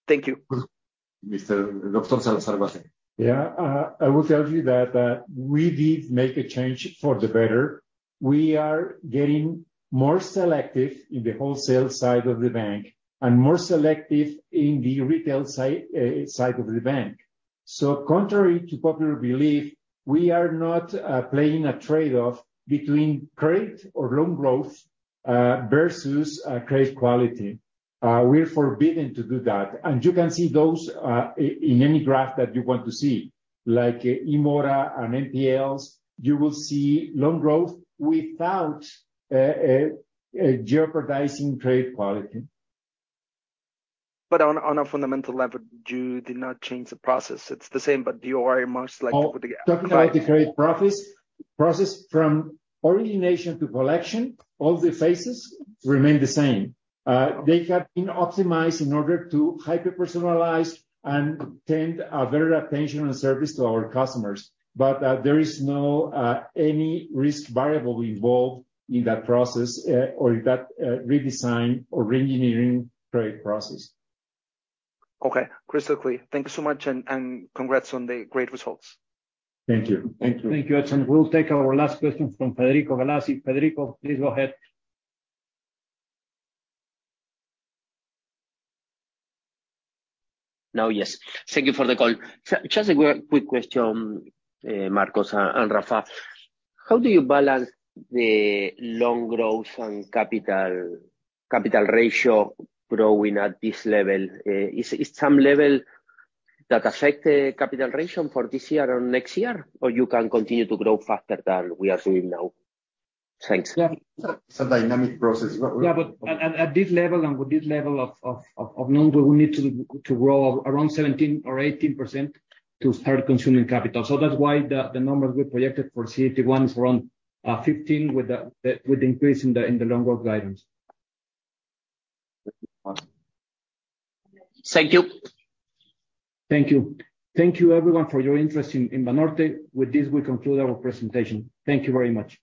Thank you. Mr. Gerardo Salazar, mate. Yeah. I will tell you that we did make a change for the better. We are getting more selective in the wholesale side of the bank and more selective in the retail side of the bank. Contrary to popular belief, we are not playing a trade-off between credit or loan growth versus credit quality. We're forbidden to do that, and you can see those in any graph that you want to see, like IMOR and NPLs, you will see loan growth without eh jeopardizing credit quality. On a fundamental level, you did not change the process. It's the same, but you are much likely. Talking about the credit profits, process from origination to collection, all the phases remain the same. They have been optimized in order to hyper-personalize and attend a better attention and service to our customers, but there is no any risk variable involved in that process or in that redesign or reengineering credit process. Okay. Crystal clear. Thank you so much, and congrats on the great results. Thank you. Thank you. Thank you, Edson. We'll take our last question from Federico Galassi. Federico, please go ahead. Now, yes. Thank you for the call. Just a quick question, Marcos and Rafa: How do you balance the long growth and capital ratio growing at this level? Is it some level that affect the capital ratio for this year or next year, or you can continue to grow faster than we are doing now? Thanks. Yeah. It's a dynamic process. At this level and with this level of number, we need to grow around 17% or 18% to start consuming capital. That's why the numbers we projected for CET1 is around 15%, with the increase in the long work guidance. Thank you. Thank you. Thank you everyone for your interest in Banorte. With this, we conclude our presentation. Thank you very much.